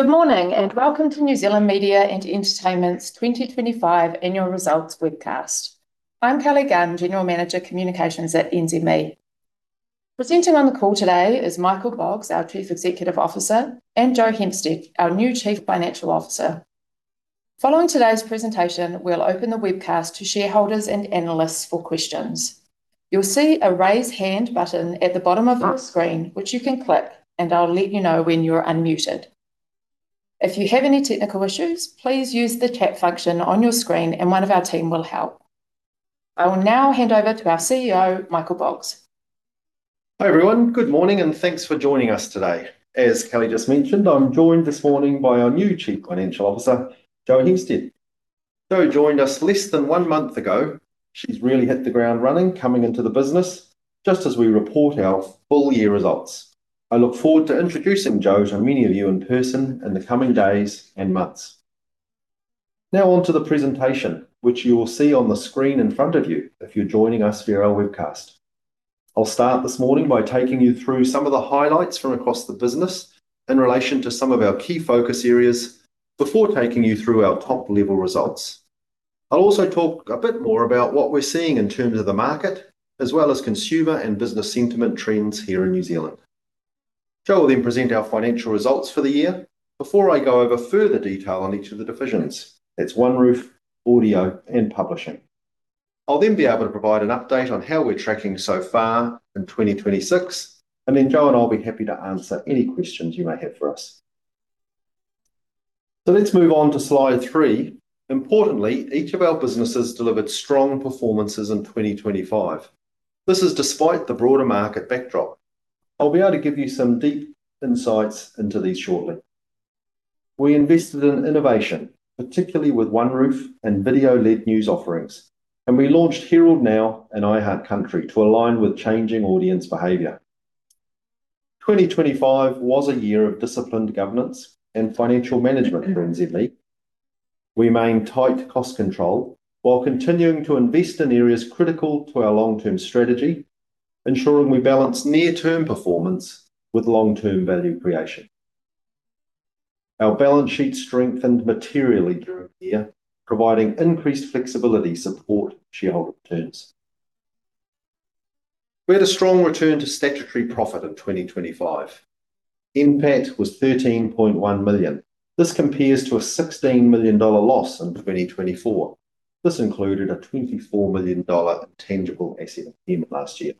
Good morning, welcome to New Zealand Media and Entertainment's 2025 annual results webcast. I'm Kelly Gunn, General Manager, Communications at NZME. Presenting on the call today is Michael Boggs, our Chief Executive Officer, and Jo Hempstead, our new Chief Financial Officer. Following today's presentation, we'll open the webcast to shareholders and analysts for questions. You'll see a Raise Hand button at the bottom of your screen, which you can click, and I'll let you know when you're unmuted. If you have any technical issues, please use the chat function on your screen, and one of our team will help. I will now hand over to our CEO, Michael Boggs. Hi, everyone. Good morning. Thanks for joining us today. As Kelly Gunn just mentioned, I'm joined this morning by our new Chief Financial Officer, Jo Hempstead. Jo joined us less than one month ago. She's really hit the ground running, coming into the business just as we report our full year results. I look forward to introducing Jo to many of you in person in the coming days and months. Now on to the presentation, which you will see on the screen in front of you if you're joining us via our webcast. I'll start this morning by taking you through some of the highlights from across the business in relation to some of our key focus areas before taking you through our top-level results. I'll also talk a bit more about what we're seeing in terms of the market, as well as consumer and business sentiment trends here in New Zealand. Jo will present our financial results for the year before I go over further detail on each of the divisions. That's OneRoof, Audio, and Publishing. I'll be able to provide an update on how we're tracking so far in 2026, and Jo and I will be happy to answer any questions you may have for us. Let's move on to slide 3. Importantly, each of our businesses delivered strong performances in 2025. This is despite the broader market backdrop. I'll be able to give you some deep insights into these shortly. We invested in innovation, particularly with OneRoof and video-led news offerings, and we launched Herald NOW and iHeartCountry to align with changing audience behavior. 2025 was a year of disciplined governance and financial management for NZME. We maintained tight cost control while continuing to invest in areas critical to our long-term strategy, ensuring we balance near-term performance with long-term value creation. Our balance sheet strengthened materially during the year, providing increased flexibility to support shareholder returns. We had a strong return to statutory profit in 2025. NPAT was 13.1 million. This compares to a NZD 16 million loss in 2024. This included a NZD 24 million intangible asset payment last year.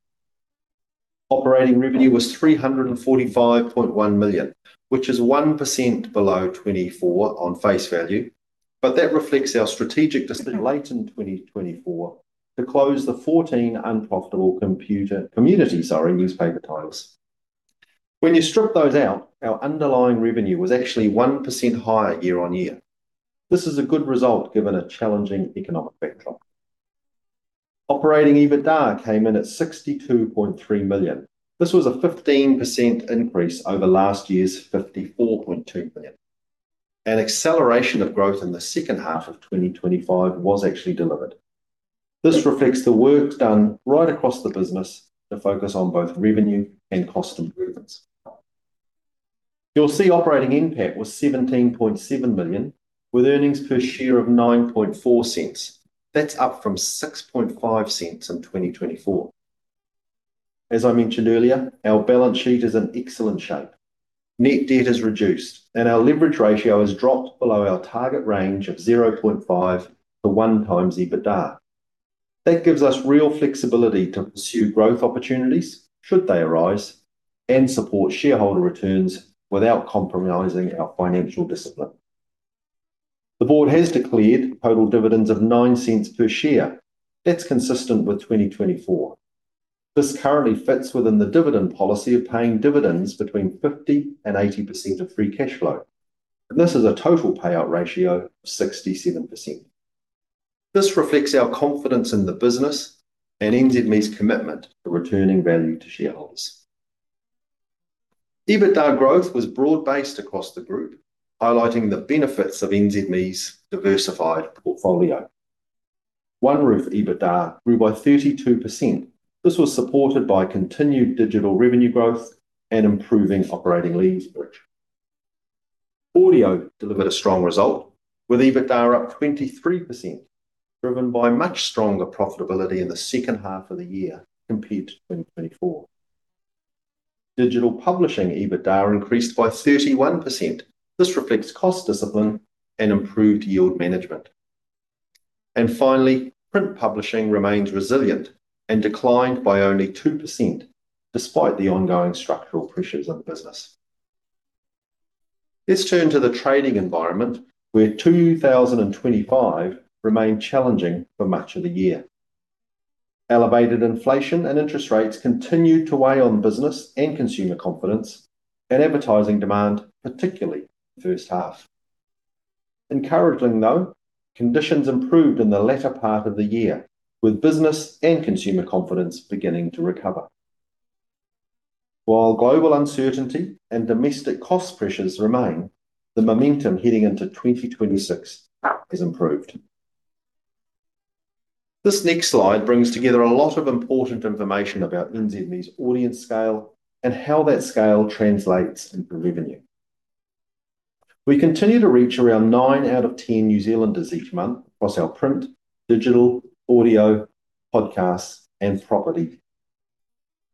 Operating revenue was NZD 345.1 million, which is 1% below 2024 on face value. That reflects our strategic decision late in 2024 to close the 14 unprofitable communities, sorry, newspaper titles. When you strip those out, our underlying revenue was actually 1% higher year-on-year. This is a good result, given a challenging economic backdrop. Operating EBITDA came in at 62.3 million. This was a 15% increase over last year's 54.2 million. An acceleration of growth in the second half of 2025 was actually delivered. This reflects the work done right across the business to focus on both revenue and cost improvements. You'll see operating NPAT was 17.7 million, with earnings per share of 0.094. That's up from 0.065 in 2024. As I mentioned earlier, our balance sheet is in excellent shape. Net debt is reduced, and our leverage ratio has dropped below our target range of 0.5-1x EBITDA. That gives us real flexibility to pursue growth opportunities should they arise and support shareholder returns without compromising our financial discipline. The board has declared total dividends of 0.09 per share. That's consistent with 2024. This currently fits within the dividend policy of paying dividends between 50% and 80% of free cash flow, and this is a total payout ratio of 67%. This reflects our confidence in the business and NZME's commitment to returning value to shareholders. EBITDA growth was broad-based across the group, highlighting the benefits of NZME's diversified portfolio. OneRoof EBITDA grew by 32%. This was supported by continued digital revenue growth and improving operating leverage. Audio delivered a strong result, with EBITDA up 23%, driven by much stronger profitability in the second half of the year compared to 2024. Digital publishing EBITDA increased by 31%. This reflects cost discipline and improved yield management. Finally, print publishing remains resilient and declined by only 2%, despite the ongoing structural pressures on the business. Let's turn to the trading environment, where 2025 remained challenging for much of the year. Elevated inflation and interest rates continued to weigh on business and consumer confidence and advertising demand, particularly in the first half. Encouraging, though, conditions improved in the latter part of the year, with business and consumer confidence beginning to recover. While global uncertainty and domestic cost pressures remain, the momentum heading into 2026 has improved. This next slide brings together a lot of important information about NZME's audience scale and how that scale translates into revenue. We continue to reach around nine out of 10 New Zealanders each month across our Print, Digital, Audio, Podcasts, and Property.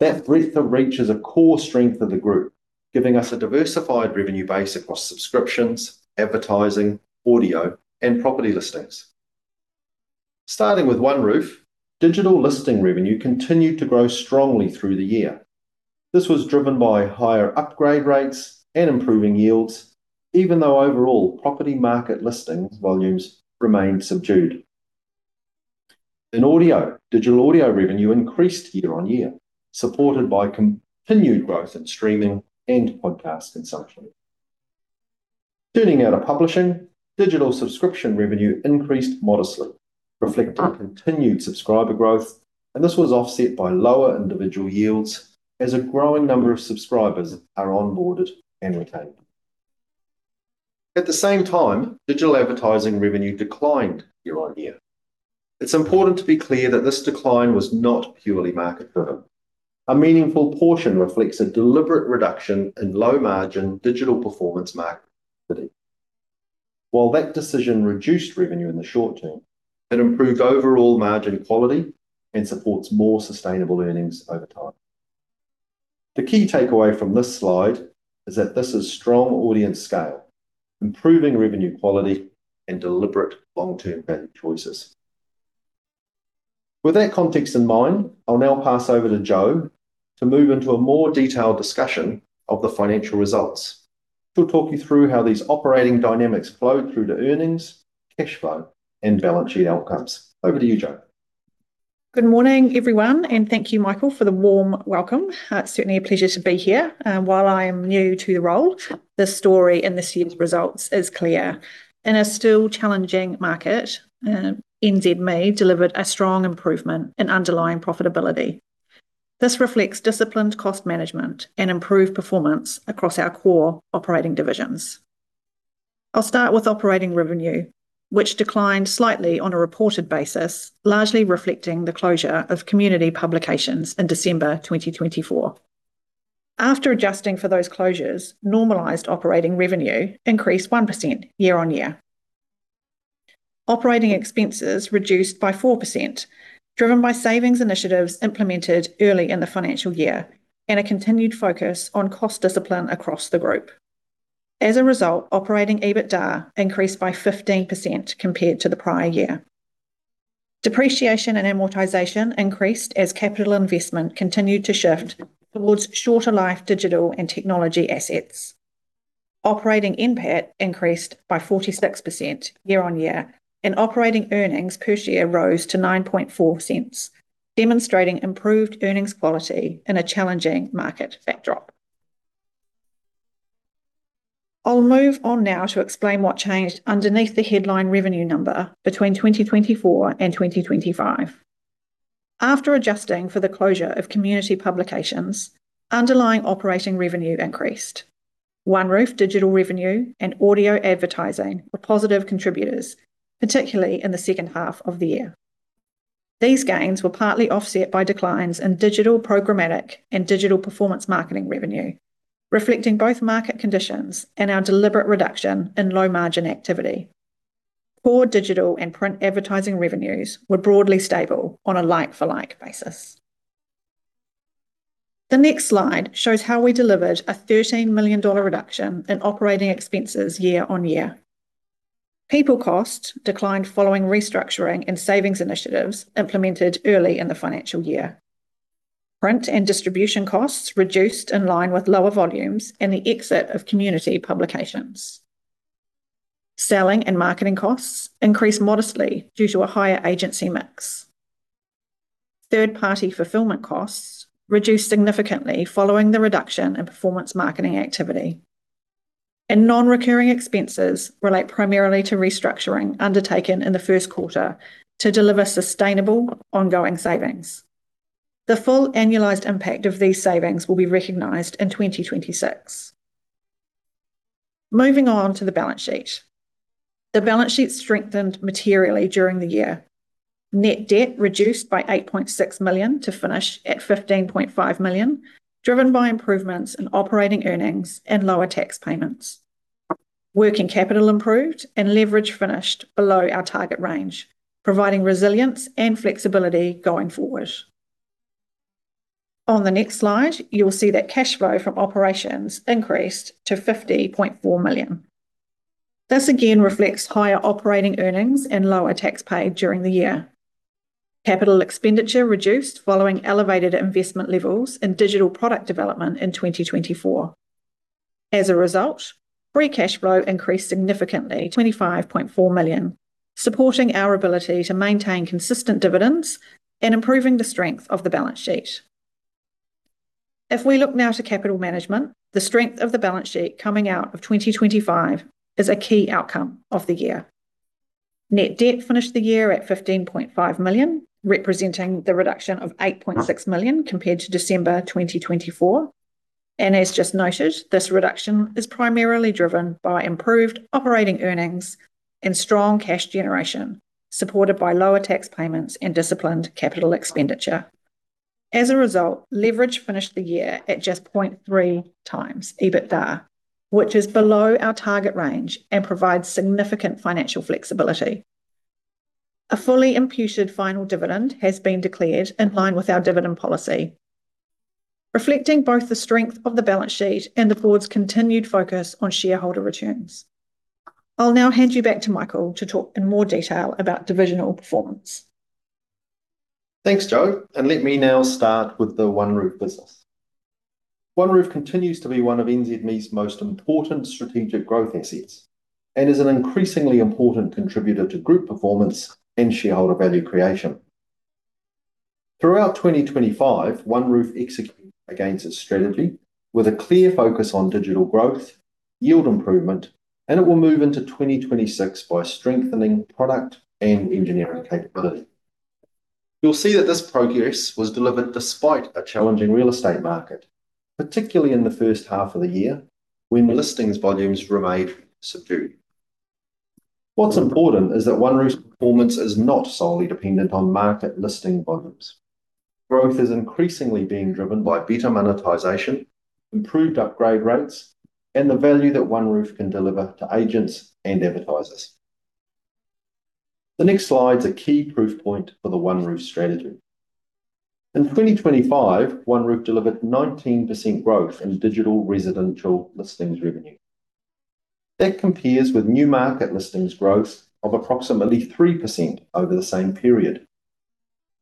That breadth of reach is a core strength of the group, giving us a diversified revenue base across subscriptions, advertising, audio, and property listings. Starting with OneRoof, digital listing revenue continued to grow strongly through the year. This was driven by higher upgrade rates and improving yields, even though overall property market listings volumes remained subdued. In Audio, digital audio revenue increased year-on-year, supported by continued growth in streaming and podcast consumption. Turning now to Publishing, digital subscription revenue increased modestly, reflecting continued subscriber growth. This was offset by lower individual yields as a growing number of subscribers are onboarded and retained. At the same time, digital advertising revenue declined year-on-year. It's important to be clear that this decline was not purely market driven. A meaningful portion reflects a deliberate reduction in low-margin digital performance market activity. While that decision reduced revenue in the short term, it improved overall margin quality and supports more sustainable earnings over time. The key takeaway from this slide is that this is strong audience scale, improving revenue quality, and deliberate long-term value choices. With that context in mind, I'll now pass over to Jo to move into a more detailed discussion of the financial results. She'll talk you through how these operating dynamics flow through to earnings, cash flow, and balance sheet outcomes. Over to you, Jo. Good morning, everyone. Thank you, Michael, for the warm welcome. It's certainly a pleasure to be here. While I am new to the role, the story in this year's results is clear. In a still challenging market, NZME delivered a strong improvement in underlying profitability. This reflects disciplined cost management and improved performance across our core operating divisions. I'll start with operating revenue, which declined slightly on a reported basis, largely reflecting the closure of community publications in December 2024. After adjusting for those closures, normalized operating revenue increased 1% year-on-year. Operating expenses reduced by 4%, driven by savings initiatives implemented early in the financial year and a continued focus on cost discipline across the group. As a result, operating EBITDA increased by 15% compared to the prior year. Depreciation and amortization increased as capital investment continued to shift towards shorter-life digital and technology assets. Operating NPAT increased by 46% year-over-year, and operating earnings per share rose to 0.094, demonstrating improved earnings quality in a challenging market backdrop. I'll move on now to explain what changed underneath the headline revenue number between 2024 and 2025. After adjusting for the closure of community publications, underlying operating revenue increased. OneRoof digital revenue and Audio advertising were positive contributors, particularly in the second half of the year. These gains were partly offset by declines in digital programmatic and digital performance marketing revenue, reflecting both market conditions and our deliberate reduction in low-margin activity. Core digital and print advertising revenues were broadly stable on a like-for-like basis. The next slide shows how we delivered a 13 million dollar reduction in operating expenses year-over-year. People costs declined following restructuring and savings initiatives implemented early in the financial year. Print and distribution costs reduced in line with lower volumes and the exit of community publications. Selling and marketing costs increased modestly due to a higher agency mix. Third-party fulfillment costs reduced significantly following the reduction in performance marketing activity. Non-recurring expenses relate primarily to restructuring undertaken in the first quarter to deliver sustainable ongoing savings. The full annualized impact of these savings will be recognized in 2026. Moving on to the balance sheet. The balance sheet strengthened materially during the year. Net debt reduced by 8.6 million to finish at 15.5 million, driven by improvements in operating earnings and lower tax payments. Working capital improved and leverage finished below our target range, providing resilience and flexibility going forward. On the next slide, you will see that cash flow from operations increased to 50.4 million. This again reflects higher operating earnings and lower tax paid during the year. Capital expenditure reduced following elevated investment levels in digital product development in 2024. Free cash flow increased significantly to 25.4 million, supporting our ability to maintain consistent dividends and improving the strength of the balance sheet. If we look now to capital management, the strength of the balance sheet coming out of 2025 is a key outcome of the year. Net debt finished the year at 15.5 million, representing the reduction of 8.6 million compared to December 2024. As just noted, this reduction is primarily driven by improved operating earnings and strong cash generation, supported by lower tax payments and disciplined capital expenditure. As a result, leverage finished the year at just 0.3x EBITDA, which is below our target range and provides significant financial flexibility. A fully imputed final dividend has been declared in line with our dividend policy, reflecting both the strength of the balance sheet and the board's continued focus on shareholder returns. I'll now hand you back to Michael to talk in more detail about divisional performance. Thanks, Jo, let me now start with the OneRoof business. OneRoof continues to be one of NZME's most important strategic growth assets and is an increasingly important contributor to group performance and shareholder value creation. Throughout 2025, OneRoof executed against its strategy with a clear focus on digital growth, yield improvement, and it will move into 2026 by strengthening product and engineering capability. You'll see that this progress was delivered despite a challenging real estate market, particularly in the first half of the year, when listings volumes remained subdued. What's important is that OneRoof's performance is not solely dependent on market listing volumes. Growth is increasingly being driven by better monetization, improved upgrade rates, and the value that OneRoof can deliver to agents and advertisers. The next slide's a key proof point for the OneRoof strategy. In 2025, OneRoof delivered 19% growth in digital residential listings revenue. That compares with new market listings growth of approximately 3% over the same period.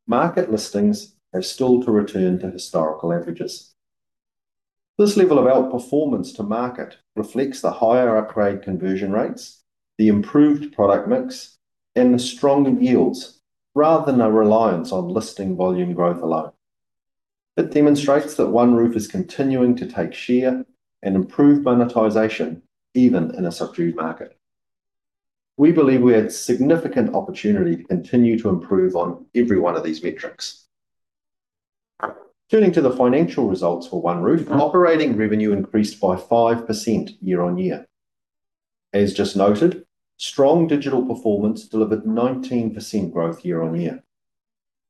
Market listings have still to return to historical averages. This level of outperformance to market reflects the higher upgrade conversion rates, the improved product mix, and the stronger yields, rather than a reliance on listing volume growth alone. It demonstrates that OneRoof is continuing to take share and improve monetization even in a subdued market. We believe we have significant opportunity to continue to improve on every one of these metrics. Turning to the financial results for OneRoof, operating revenue increased by 5% year-over-year. As just noted, strong digital performance delivered 19% growth year-over-year.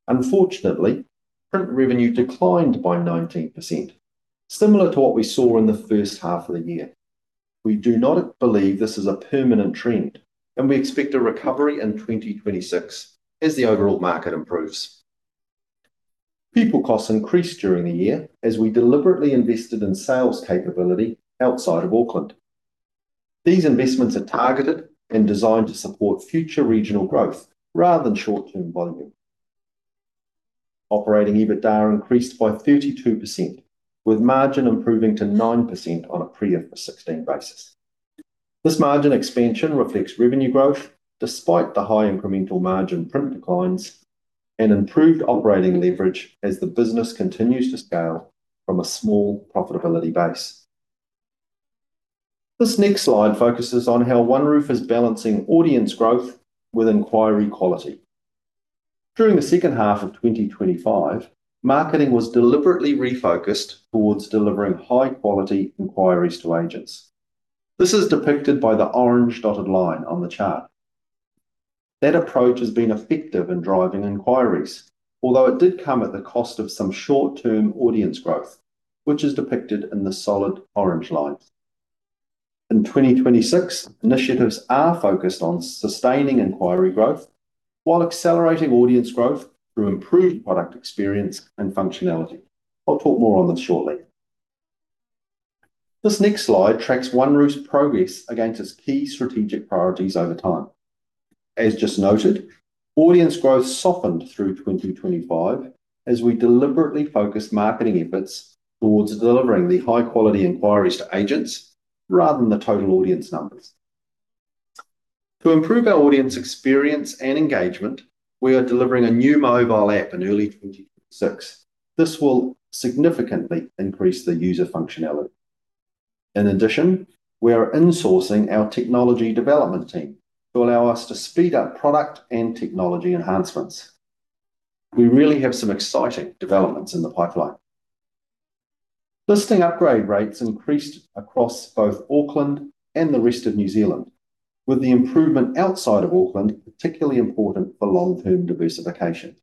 Unfortunately, print revenue declined by 19%, similar to what we saw in the first half of the year. We do not believe this is a permanent trend, and we expect a recovery in 2026 as the overall market improves. People costs increased during the year as we deliberately invested in sales capability outside of Auckland. These investments are targeted and designed to support future regional growth rather than short-term volume. Operating EBITDA increased by 32%, with margin improving to 9% on a pre-IFRS 16 basis. This margin expansion reflects revenue growth despite the high incremental margin print declines and improved operating leverage as the business continues to scale from a small profitability base. This next slide focuses on how OneRoof is balancing audience growth with inquiry quality. During the second half of 2025, marketing was deliberately refocused towards delivering high-quality inquiries to agents. This is depicted by the orange dotted line on the chart. That approach has been effective in driving inquiries, although it did come at the cost of some short-term audience growth, which is depicted in the solid orange line. In 2026, initiatives are focused on sustaining inquiry growth while accelerating audience growth through improved product experience and functionality. I'll talk more on this shortly. This next slide tracks OneRoof's progress against its key strategic priorities over time. As just noted, audience growth softened through 2025 as we deliberately focused marketing efforts towards delivering the high-quality inquiries to agents rather than the total audience numbers. To improve our audience experience and engagement, we are delivering a new mobile app in early 2026. This will significantly increase the user functionality. In addition, we are insourcing our Technology Development team to allow us to speed up product and technology enhancements. We really have some exciting developments in the pipeline. Listing upgrade rates increased across both Auckland and the rest of New Zealand, with the improvement outside of Auckland particularly important for long-term diversification.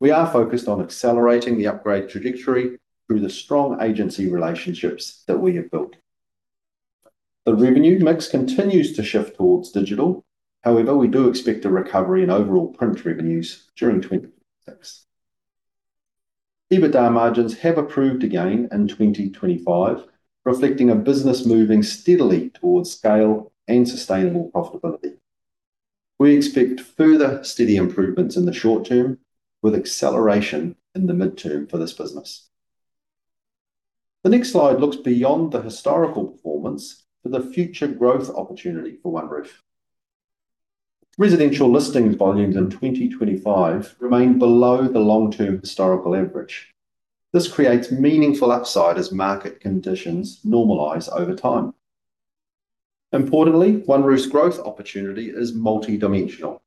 We are focused on accelerating the upgrade trajectory through the strong agency relationships that we have built. The revenue mix continues to shift towards digital. We do expect a recovery in overall print revenues during 2026. EBITDA margins have improved again in 2025, reflecting a business moving steadily towards scale and sustainable profitability. We expect further steady improvements in the short term, with acceleration in the midterm for this business. The next slide looks beyond the historical performance for the future growth opportunity for OneRoof. Residential listings volumes in 2025 remained below the long-term historical average. This creates meaningful upside as market conditions normalize over time. Importantly, OneRoof's growth opportunity is multi-dimensional.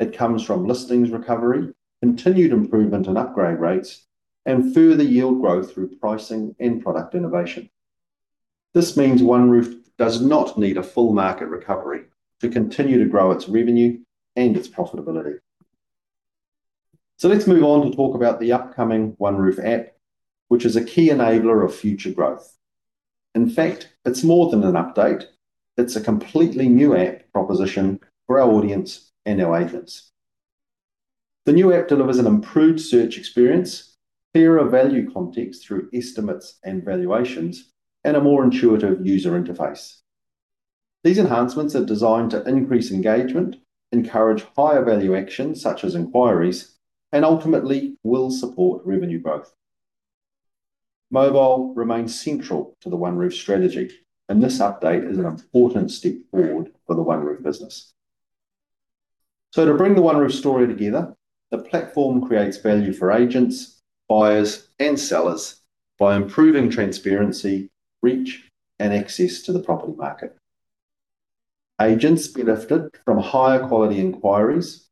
It comes from listings recovery, continued improvement in upgrade rates, and further yield growth through pricing and product innovation. This means OneRoof does not need a full market recovery to continue to grow its revenue and its profitability. Let's move on to talk about the upcoming OneRoof App, which is a key enabler of future growth. In fact, it's more than an update, it's a completely new app proposition for our audience and our agents. The new app delivers an improved search experience, clearer value context through estimates and valuations, and a more intuitive user interface. These enhancements are designed to increase engagement, encourage higher value actions such as inquiries, and ultimately will support revenue growth. Mobile remains central to the OneRoof strategy, and this update is an important step forward for the OneRoof business. To bring the OneRoof story together, the platform creates value for agents, buyers, and sellers by improving transparency, reach, and access to the property market. Agents benefit from higher quality inquiries,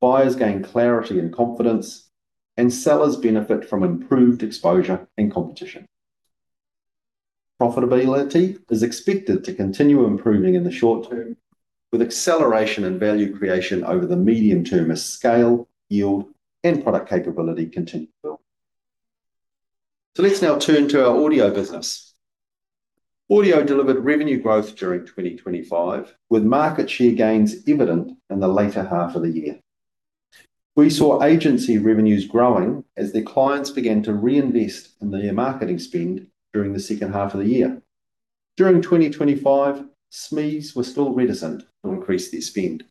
buyers gain clarity and confidence, and sellers benefit from improved exposure and competition. Profitability is expected to continue improving in the short term, with acceleration and value creation over the medium term as scale, yield, and product capability continue to build. Let's now turn to our Audio business. Audio delivered revenue growth during 2025, with market share gains evident in the later half of the year. We saw agency revenues growing as their clients began to reinvest in their marketing spend during the second half of the year. During 2025, SMEs were still reticent to increase their spend.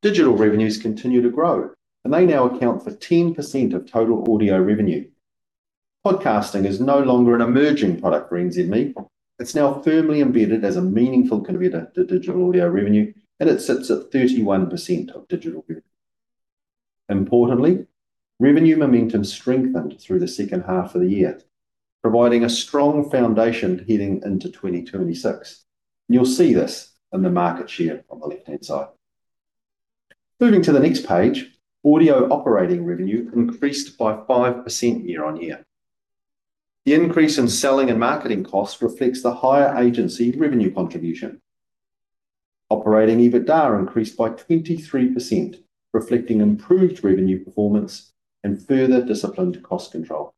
Digital revenues continue to grow, and they now account for 10% of total audio revenue. Podcasting is no longer an emerging product for NZME. It's now firmly embedded as a meaningful contributor to digital audio revenue, and it sits at 31% of digital revenue. Importantly, revenue momentum strengthened through the second half of the year, providing a strong foundation heading into 2026. You'll see this in the market share on the left-hand side. Moving to the next page, Audio operating revenue increased by 5% year-on-year. The increase in selling and marketing costs reflects the higher agency revenue contribution. Operating EBITDA increased by 23%, reflecting improved revenue performance and further disciplined cost control.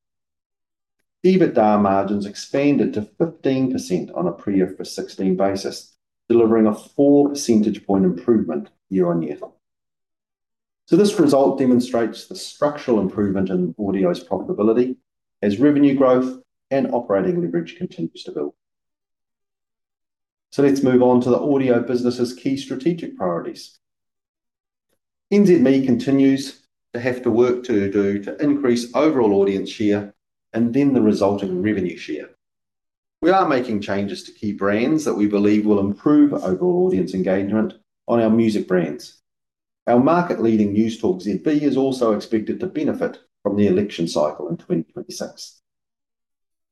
EBITDA margins expanded to 15% on a pre-IFRS 16 basis, delivering a 4 percentage point improvement year-on-year. This result demonstrates the structural improvement in audio's profitability as revenue growth and operating leverage continues to build. Let's move on to the Audio business's key strategic priorities. NZME continues to have to work to do to increase overall audience share and then the resulting revenue share. We are making changes to key brands that we believe will improve overall audience engagement on our music brands. Our market-leading Newstalk ZB is also expected to benefit from the election cycle in 2026.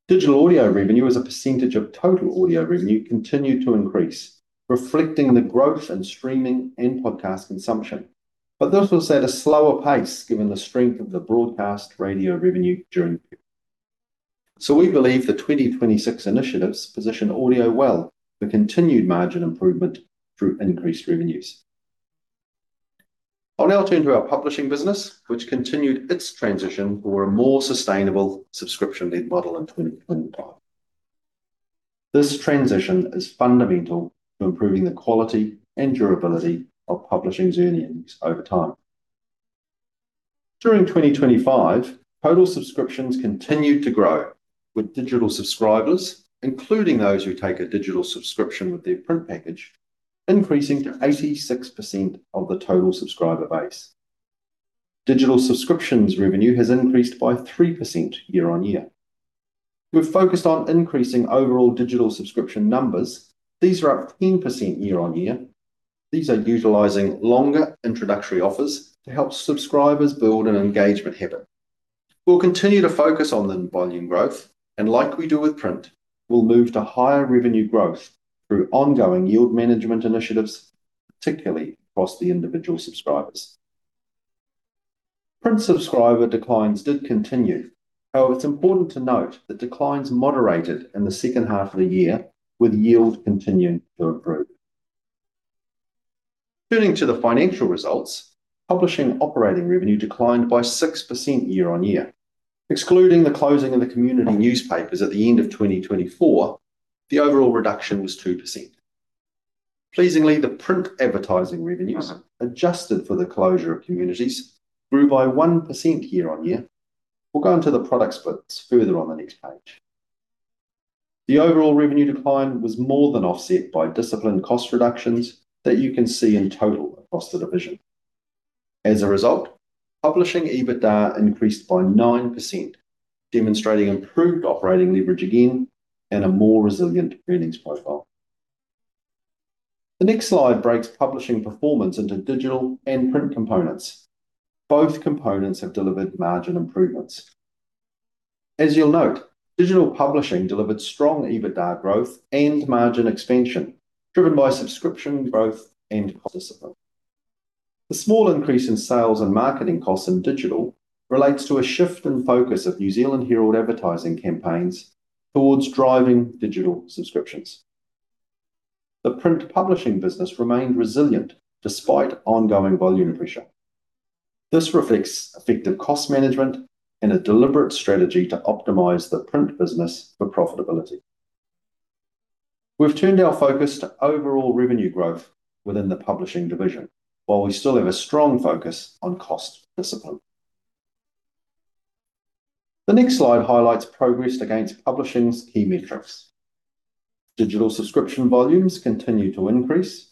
Digital audio revenue as a percentage of total Audio revenue continued to increase, reflecting the growth in streaming and podcast consumption, but this was at a slower pace given the strength of the broadcast radio revenue during the period. We believe the 2026 initiatives position Audio well for continued margin improvement through increased revenues. I'll now turn to our Publishing business, which continued its transition toward a more sustainable subscription-led model in 2025. This transition is fundamental to improving the quality and durability of Publishing's earnings over time. During 2025, total subscriptions continued to grow, with digital subscribers, including those who take a digital subscription with their print package, increasing to 86% of the total subscriber base. Digital subscriptions revenue has increased by 3% year-over-year. We've focused on increasing overall digital subscription numbers. These are up 10% year-over-year. These are utilizing longer introductory offers to help subscribers build an engagement habit. We'll continue to focus on the volume growth, and like we do with print, we'll move to higher revenue growth through ongoing yield management initiatives, particularly across the individual subscribers. Print subscriber declines did continue. It's important to note that declines moderated in the second half of the year, with yield continuing to improve. Turning to the financial results, Publishing operating revenue declined by 6% year-over-year. Excluding the closing of the community newspapers at the end of 2024, the overall reduction was 2%. Pleasingly, the print advertising revenues, adjusted for the closure of communities, grew by 1% year-over-year. We'll go into the product splits further on the next page. The overall revenue decline was more than offset by disciplined cost reductions that you can see in total across the division. As a result, Publishing EBITDA increased by 9%, demonstrating improved operating leverage again and a more resilient earnings profile. The next slide breaks Publishing performance into digital and print components. Both components have delivered margin improvements. As you'll note, digital publishing delivered strong EBITDA growth and margin expansion, driven by subscription growth and cost discipline. The small increase in sales and marketing costs in digital relates to a shift in focus of The New Zealand Herald advertising campaigns towards driving digital subscriptions. The print publishing business remained resilient despite ongoing volume pressure. This reflects effective cost management and a deliberate strategy to optimize the print business for profitability. We've turned our focus to overall revenue growth within the Publishing division, while we still have a strong focus on cost discipline. The next slide highlights progress against Publishing's key metrics. Digital subscription volumes continue to increase.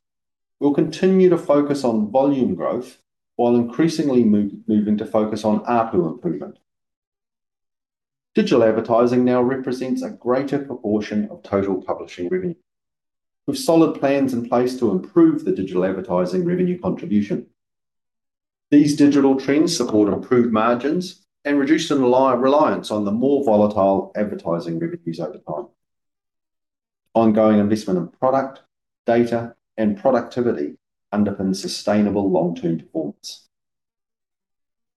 We'll continue to focus on volume growth, while increasingly moving to focus on ARPU improvement. Digital advertising now represents a greater proportion of total Publishing revenue, with solid plans in place to improve the digital advertising revenue contribution. These digital trends support improved margins and reduce the reliance on the more volatile advertising revenues over time. Ongoing investment in product, data, and productivity underpin sustainable long-term performance.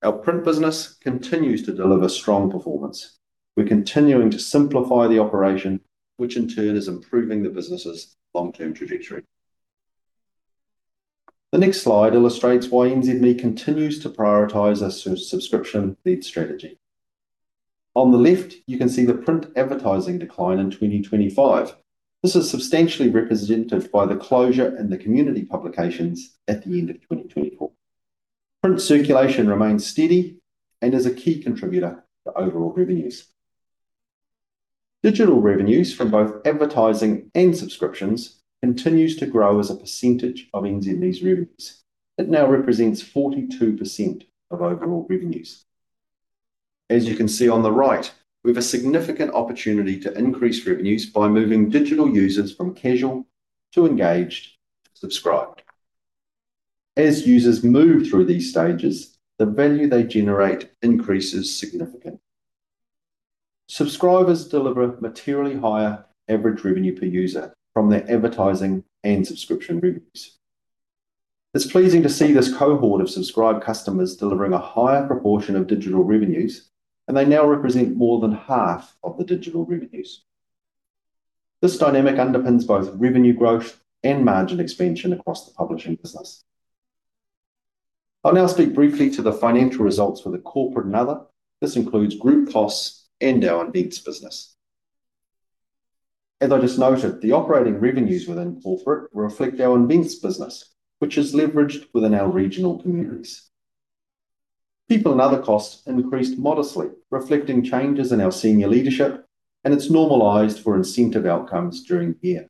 Our Print business continues to deliver strong performance. We're continuing to simplify the operation, which in turn is improving the business's long-term trajectory. The next slide illustrates why NZME continues to prioritize a subscription-led strategy. On the left, you can see the print advertising decline in 2025. This is substantially represented by the closure in the community publications at the end of 2024. Print circulation remains steady and is a key contributor to overall revenues. Digital revenues from both advertising and subscriptions continues to grow as a percentage of NZME's revenues. It now represents 42% of overall revenues. As you can see on the right, we have a significant opportunity to increase revenues by moving digital users from casual to engaged, to subscribed. As users move through these stages, the value they generate increases significantly. Subscribers deliver materially higher average revenue per user from their advertising and subscription revenues. It's pleasing to see this cohort of subscribed customers delivering a higher proportion of digital revenues, and they now represent more than half of the digital revenues. This dynamic underpins both revenue growth and margin expansion across the Publishing business. I'll now speak briefly to the financial results for the corporate and other. This includes group costs and our events business. As I just noted, the operating revenues within corporate reflect our events business, which is leveraged within our regional communities. People and other costs increased modestly, reflecting changes in our senior leadership, and it's normalized for incentive outcomes during the year.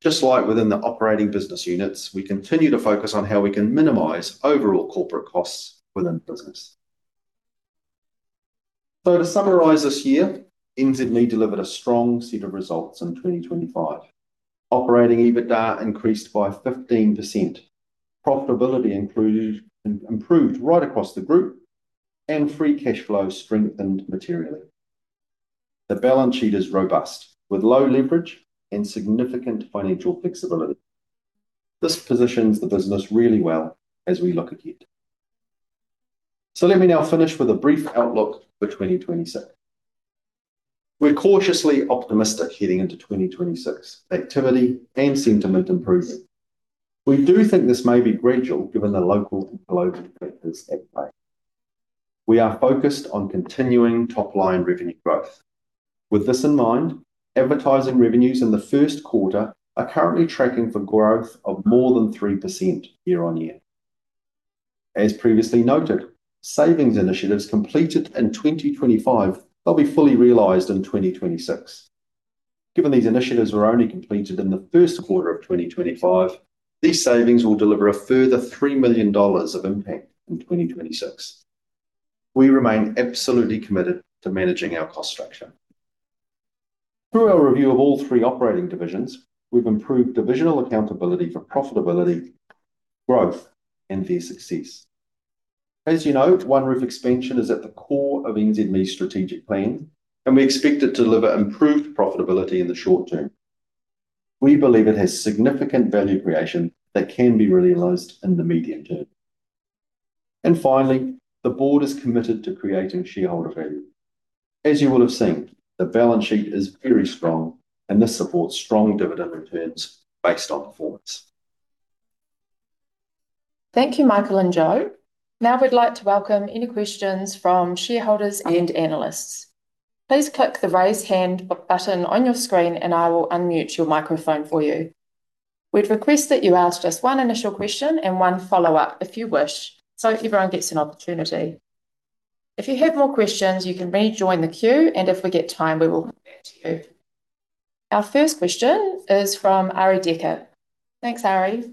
Just like within the operating business units, we continue to focus on how we can minimize overall corporate costs within the business. To summarize this year, NZME delivered a strong set of results in 2025. Operating EBITDA increased by 15%. Profitability improved, improved right across the group, and free cash flow strengthened materially. The balance sheet is robust, with low leverage and significant financial flexibility. This positions the business really well as we look ahead. Let me now finish with a brief outlook for 2026. We're cautiously optimistic heading into 2026. Activity and sentiment improving. We do think this may be gradual, given the local and global factors at play. We are focused on continuing top-line revenue growth. With this in mind, advertising revenues in the first quarter are currently tracking for growth of more than 3% year-on-year. As previously noted, savings initiatives completed in 2025 will be fully realized in 2026. Given these initiatives were only completed in the first quarter of 2025, these savings will deliver a further 3 million dollars of impact in 2026. We remain absolutely committed to managing our cost structure. Through our review of all three operating divisions, we've improved divisional accountability for profitability, growth, and their success. As you know, OneRoof expansion is at the core of NZME's strategic plan, and we expect it to deliver improved profitability in the short term. We believe it has significant value creation that can be realized in the medium term. Finally, the board is committed to creating shareholder value. As you will have seen, the balance sheet is very strong, and this supports strong dividend returns based on performance. Thank you, Michael and Jo. We'd like to welcome any questions from shareholders and analysts. Please click the Raise Hand button on your screen, and I will unmute your microphone for you. We'd request that you ask just one initial question and one follow-up if you wish, so everyone gets an opportunity. If you have more questions, you can re-join the queue, and if we get time, we will come back to you. Our first question is from Arie Dekker. Thanks, Arie.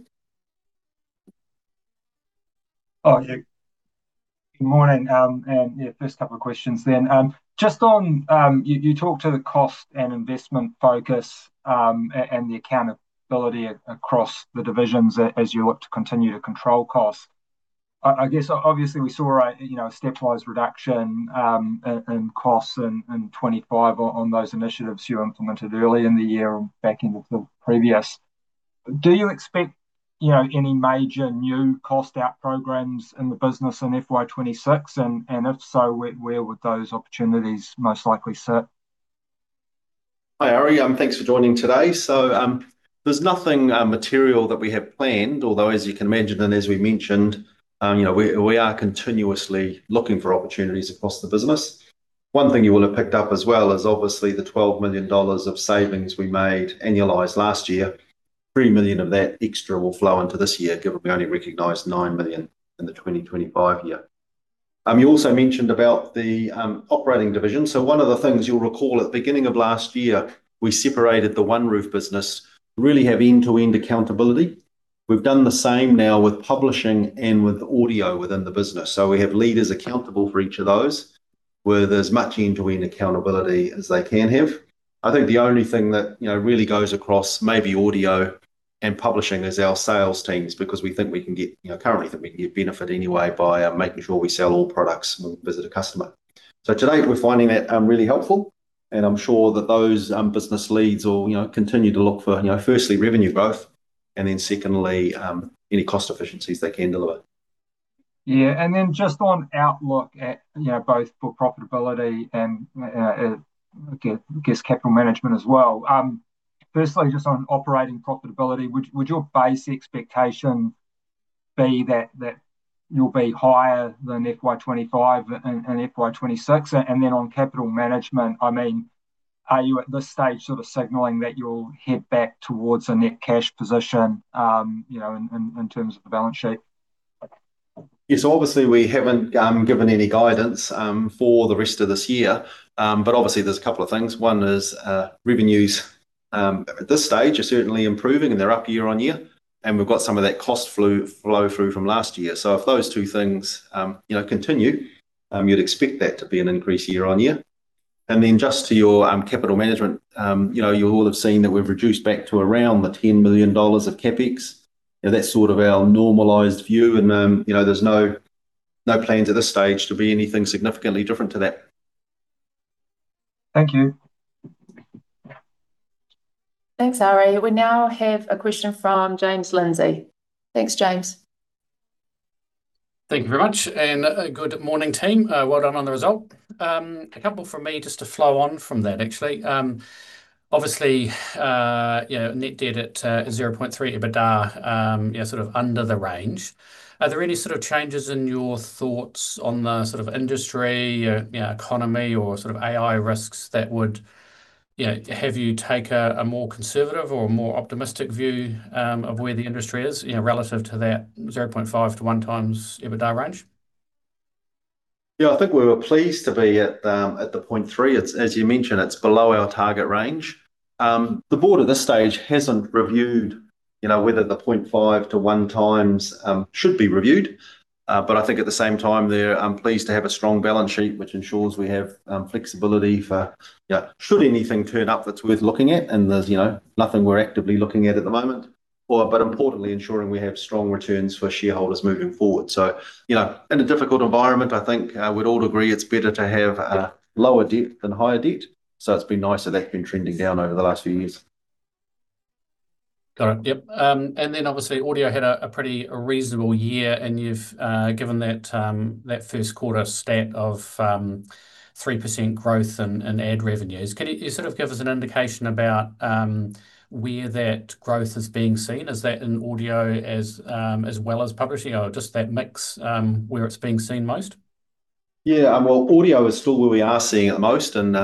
Oh, yeah. Good morning, yeah, first couple of questions then. Just on, you, you talked to the cost and investment focus, and the accountability across the divisions as you look to continue to control costs. I, I guess, obviously, we saw a, you know, a stepwise reduction in costs in 2025 on those initiatives you implemented early in the year, back into the previous. Do you expect, you know, any major new cost-out programs in the business in FY 2026? If so, where, where would those opportunities most likely sit? Hi, Arie, thanks for joining today. There's nothing material that we have planned, although, as you can imagine, and as we mentioned, you know, we, we are continuously looking for opportunities across the business. One thing you will have picked up as well is obviously the 12 million dollars of savings we made annualized last year. 3 million of that extra will flow into this year, given we only recognized 9 million in the 2025 year. You also mentioned about the operating division. One of the things you'll recall at the beginning of last year, we separated the OneRoof business, really have end-to-end accountability. We've done the same now with Publishing and with Audio within the business. We have leaders accountable for each of those, where there's much end-to-end accountability as they can have. I think the only thing that, you know, really goes across maybe Audio and Publishing is our sales teams, because we think we can get, you know, currently think we can get benefit anyway by making sure we sell all products when we visit a customer. Today, we're finding that really helpful, and I'm sure that those business leads will, you know, continue to look for, you know, firstly, revenue growth, and then secondly, any cost efficiencies they can deliver. Yeah, and then just on outlook at, you know, both for profitability and I guess, capital management as well. Firstly, just on operating profitability, would your base expectation be that you'll be higher than FY 2025 and FY 2026? On capital management, I mean, are you at this stage sort of signaling that you'll head back towards a net cash position, you know, in terms of the balance sheet? Yes, obviously, we haven't given any guidance for the rest of this year. Obviously, there's a couple of things. One is, revenues at this stage are certainly improving, and they're up year-on-year, and we've got some of that cost flow through from last year. If those two things, you know, continue, you'd expect that to be an increase year-on-year. Just to your capital management, you know, you all have seen that we've reduced back to around 10 million dollars of CapEx, and that's sort of our normalized view. You know, there's no, no plans at this stage to be anything significantly different to that. Thank you. Thanks, Arie. We now have a question from James Lindsay. Thanks, James. Thank you very much, good morning, team. Well done on the result. A couple from me, just to flow on from that, actually. Obviously, you know, net debt at 0.3x EBITDA, yeah, sort of under the range. Are there any sort of changes in your thoughts on the sort of industry, you know, economy or sort of AI risks that would, you know, have you take a more conservative or a more optimistic view of where the industry is, you know, relative to that 0.5-1x EBITDA range? Yeah, I think we were pleased to be at 0.3x. It's, as you mentioned, it's below our target range. The board at this stage hasn't reviewed, you know, whether the 0.5x-1x should be reviewed. I think at the same time, they're pleased to have a strong balance sheet, which ensures we have flexibility for, yeah, should anything turn up that's worth looking at, and there's, you know, nothing we're actively looking at at the moment. Importantly, ensuring we have strong returns for shareholders moving forward. You know, in a difficult environment, I think we'd all agree it's better to have lower debt than higher debt. It's been nice that that's been trending down over the last few years. Got it. Yep. Then obviously, Audio had a pretty reasonable year, and you've given that 1st quarter stat of 3% growth in ad revenues. Can you sort of give us an indication about where that growth is being seen? Is that in Audio as well as Publishing, or just that mix where it's being seen most? Yeah. Well, Audio is still where we are seeing it the most, and,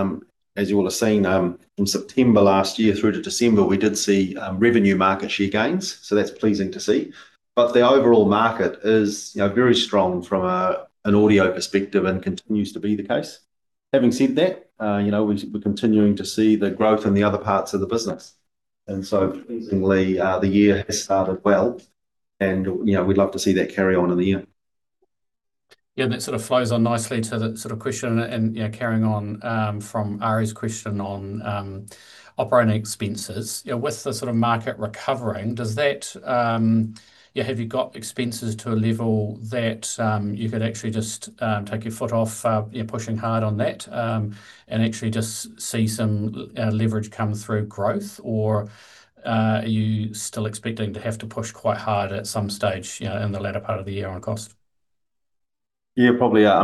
as you all have seen, from September last year through to December, we did see, revenue market share gains, so that's pleasing to see. The overall market is, you know, very strong from an Audio perspective and continues to be the case. Having said that, you know, we're, we're continuing to see the growth in the other parts of the business. So pleasingly, the year has started well, and, you know, we'd love to see that carry on in the year. Yeah, that sort of flows on nicely to the sort of question and, you know, carrying on from Arie's question on operating expenses. You know, with the sort of market recovering, does that, Yeah, have you got expenses to a level that you could actually just take your foot off, you pushing hard on that, and actually just see some leverage come through growth? Are you still expecting to have to push quite hard at some stage, you know, in the latter part of the year on cost? Yeah, probably, you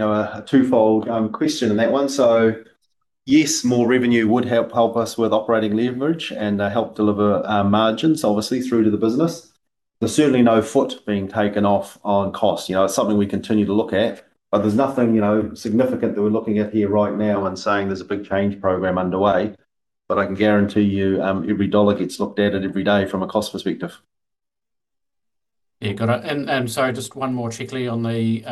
know, a twofold question in that one. Yes, more revenue would help, help us with operating leverage and help deliver margins, obviously, through to the business. There's certainly no foot being taken off on cost. You know, it's something we continue to look at, but there's nothing, you know, significant that we're looking at here right now and saying there's a big change program underway. I can guarantee you, every dollar gets looked at it every day from a cost perspective. Yeah, got it. Sorry, just one more quickly on the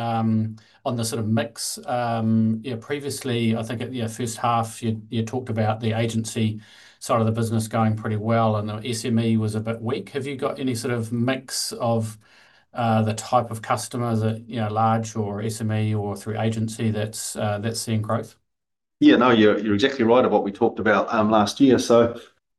sort of mix. Yeah, previously, I think at, yeah, first half, you, you talked about the agency side of the business going pretty well, and the SME was a bit weak. Have you got any sort of mix of the type of customer that, you know, large or SME or through agency that's seeing growth?... Yeah, no, you're, you're exactly right of what we talked about, last year.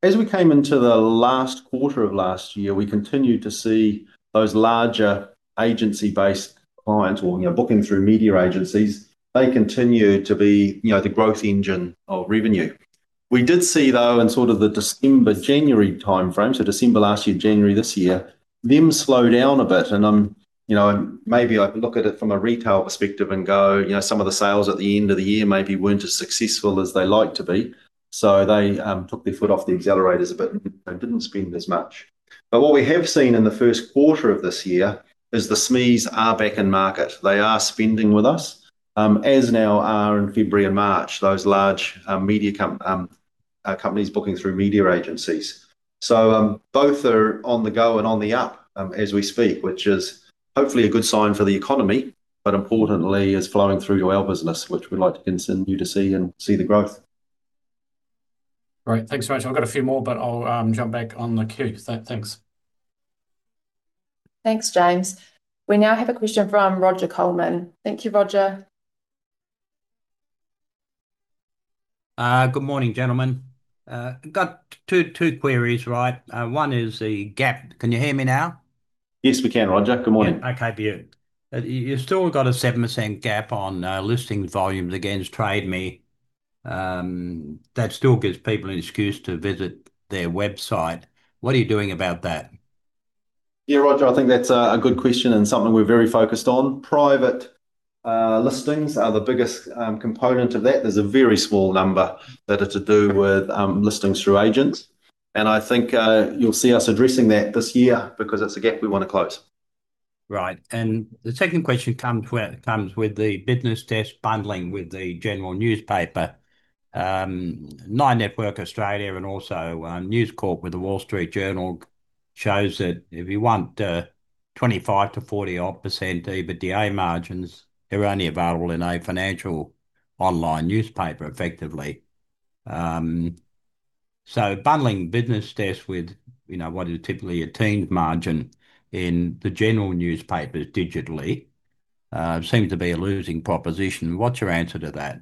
As we came into the last quarter of last year, we continued to see those larger agency-based clients or, you know, booking through media agencies, they continued to be, you know, the growth engine of revenue. We did see, though, in sort of the December, January timeframe, so December last year, January this year, them slow down a bit. You know, maybe I look at it from a retail perspective and go, you know, some of the sales at the end of the year maybe weren't as successful as they'd like to be, so they took their foot off the accelerators a bit and didn't spend as much. What we have seen in the first quarter of this year is the SMEs are back in market. They are spending with us, as now are in February and March, those large media comp companies booking through media agencies. Both are on the go and on the up, as we speak, which is hopefully a good sign for the economy, but importantly, is flowing through to our business, which we'd like to continue to see and see the growth. Great. Thanks very much. I've got a few more, but I'll jump back on the queue. Thanks. Thanks, James. We now have a question from Roger Colman. Thank you, Roger. Good morning, gentlemen. Got two, two queries, right? One is the gap... Can you hear me now? Yes, we can, Roger. Good morning. Okay, beautiful. you've still got a 7% gap on listing volumes against Trade Me. That still gives people an excuse to visit their website. What are you doing about that? Yeah, Roger, I think that's a good question and something we're very focused on. Private listings are the biggest component of that. There's a very small number that are to do with listings through agents, and I think you'll see us addressing that this year because it's a gap we want to close. Right. The second question comes with, comes with the BusinessDesk bundling with the general newspaper. 9 Network Australia and also News Corp with the Wall Street Journal shows that if you want 25%-40% odd EBITDA margins, they're only available in a financial online newspaper, effectively. Bundling BusinessDesk with, you know, what is typically a teens margin in the general newspapers digitally, seems to be a losing proposition. What's your answer to that?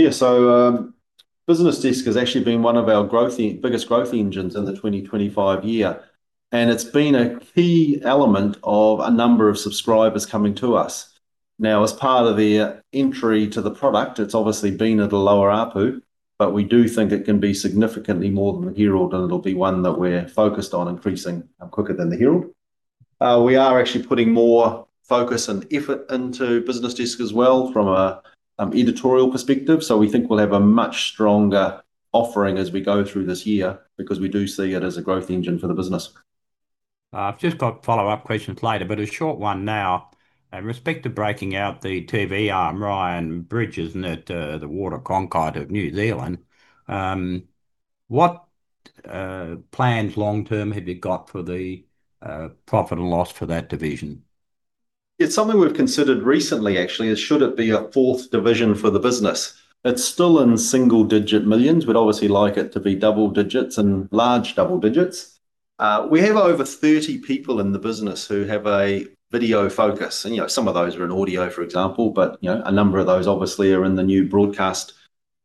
Yeah, BusinessDesk has actually been one of our biggest growth engines in the 2025 year, and it's been a key element of a number of subscribers coming to us. As part of their entry to the product, it's obviously been at a lower ARPU, but we do think it can be significantly more than the Herald, and it'll be one that we're focused on increasing quicker than the Herald. We are actually putting more focus and effort into BusinessDesk as well from a editorial perspective, so we think we'll have a much stronger offering as we go through this year because we do see it as a growth engine for the business. I've just got follow-up questions later, but a short one now. In respect to breaking out the TV arm, Ryan Bridge, and at the Auckland Waterfront of New Zealand, what plans long-term have you got for the profit and loss for that division? It's something we've considered recently, actually, is should it be a fourth division for the business? It's still in single-digit millions. We'd obviously like it to be double digits and large double digits. We have over 30 people in the business who have a video focus and, you know, some of those are in audio, for example, but, you know, a number of those obviously are in the new broadcast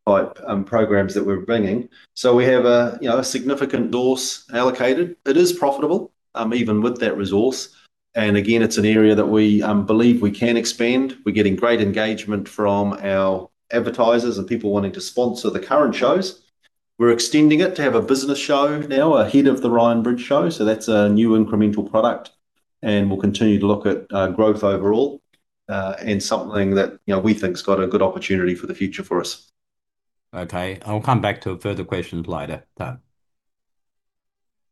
type programs that we're bringing. We have a, you know, a significant dose allocated. It is profitable, even with that resource, and again, it's an area that we believe we can expand. We're getting great engagement from our advertisers and people wanting to sponsor the current shows. We're extending it to have a business show now ahead of the Ryan Bridge TODAY. That's a new incremental product, and we'll continue to look at growth overall and something that, you know, we think has got a good opportunity for the future for us. Okay. I'll come back to further questions later, though.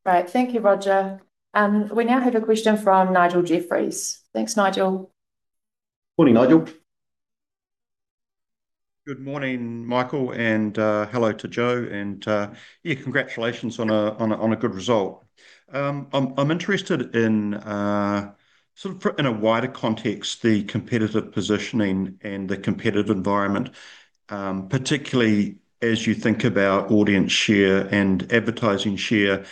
Great. Thank you, Roger. We now have a question from Nigel Jeffries. Thanks, Nigel. Morning, Nigel. Good morning, Michael Boggs, hello to Jo Hempstead, congratulations on a good result. I'm interested in sort of in a wider context, the competitive positioning and the competitive environment, particularly as you think about audience share and advertising share.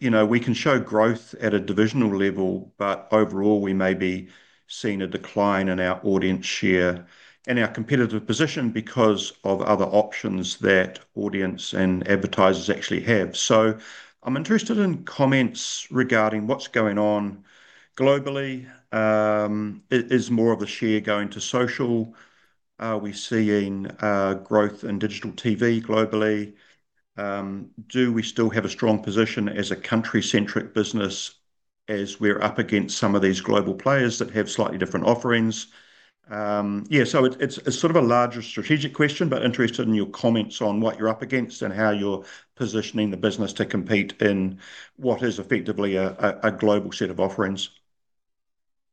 You know, we can show growth at a divisional level, but overall, we may be seeing a decline in our audience share and our competitive position because of other options that audience and advertisers actually have. I'm interested in comments regarding what's going on globally. Is more of the share going to social? Are we seeing growth in digital TV globally? Do we still have a strong position as a country-centric business as we're up against some of these global players that have slightly different offerings? Yeah, so it's, it's sort of a larger strategic question, but interested in your comments on what you're up against and how you're positioning the business to compete in what is effectively a, a, a global set of offerings.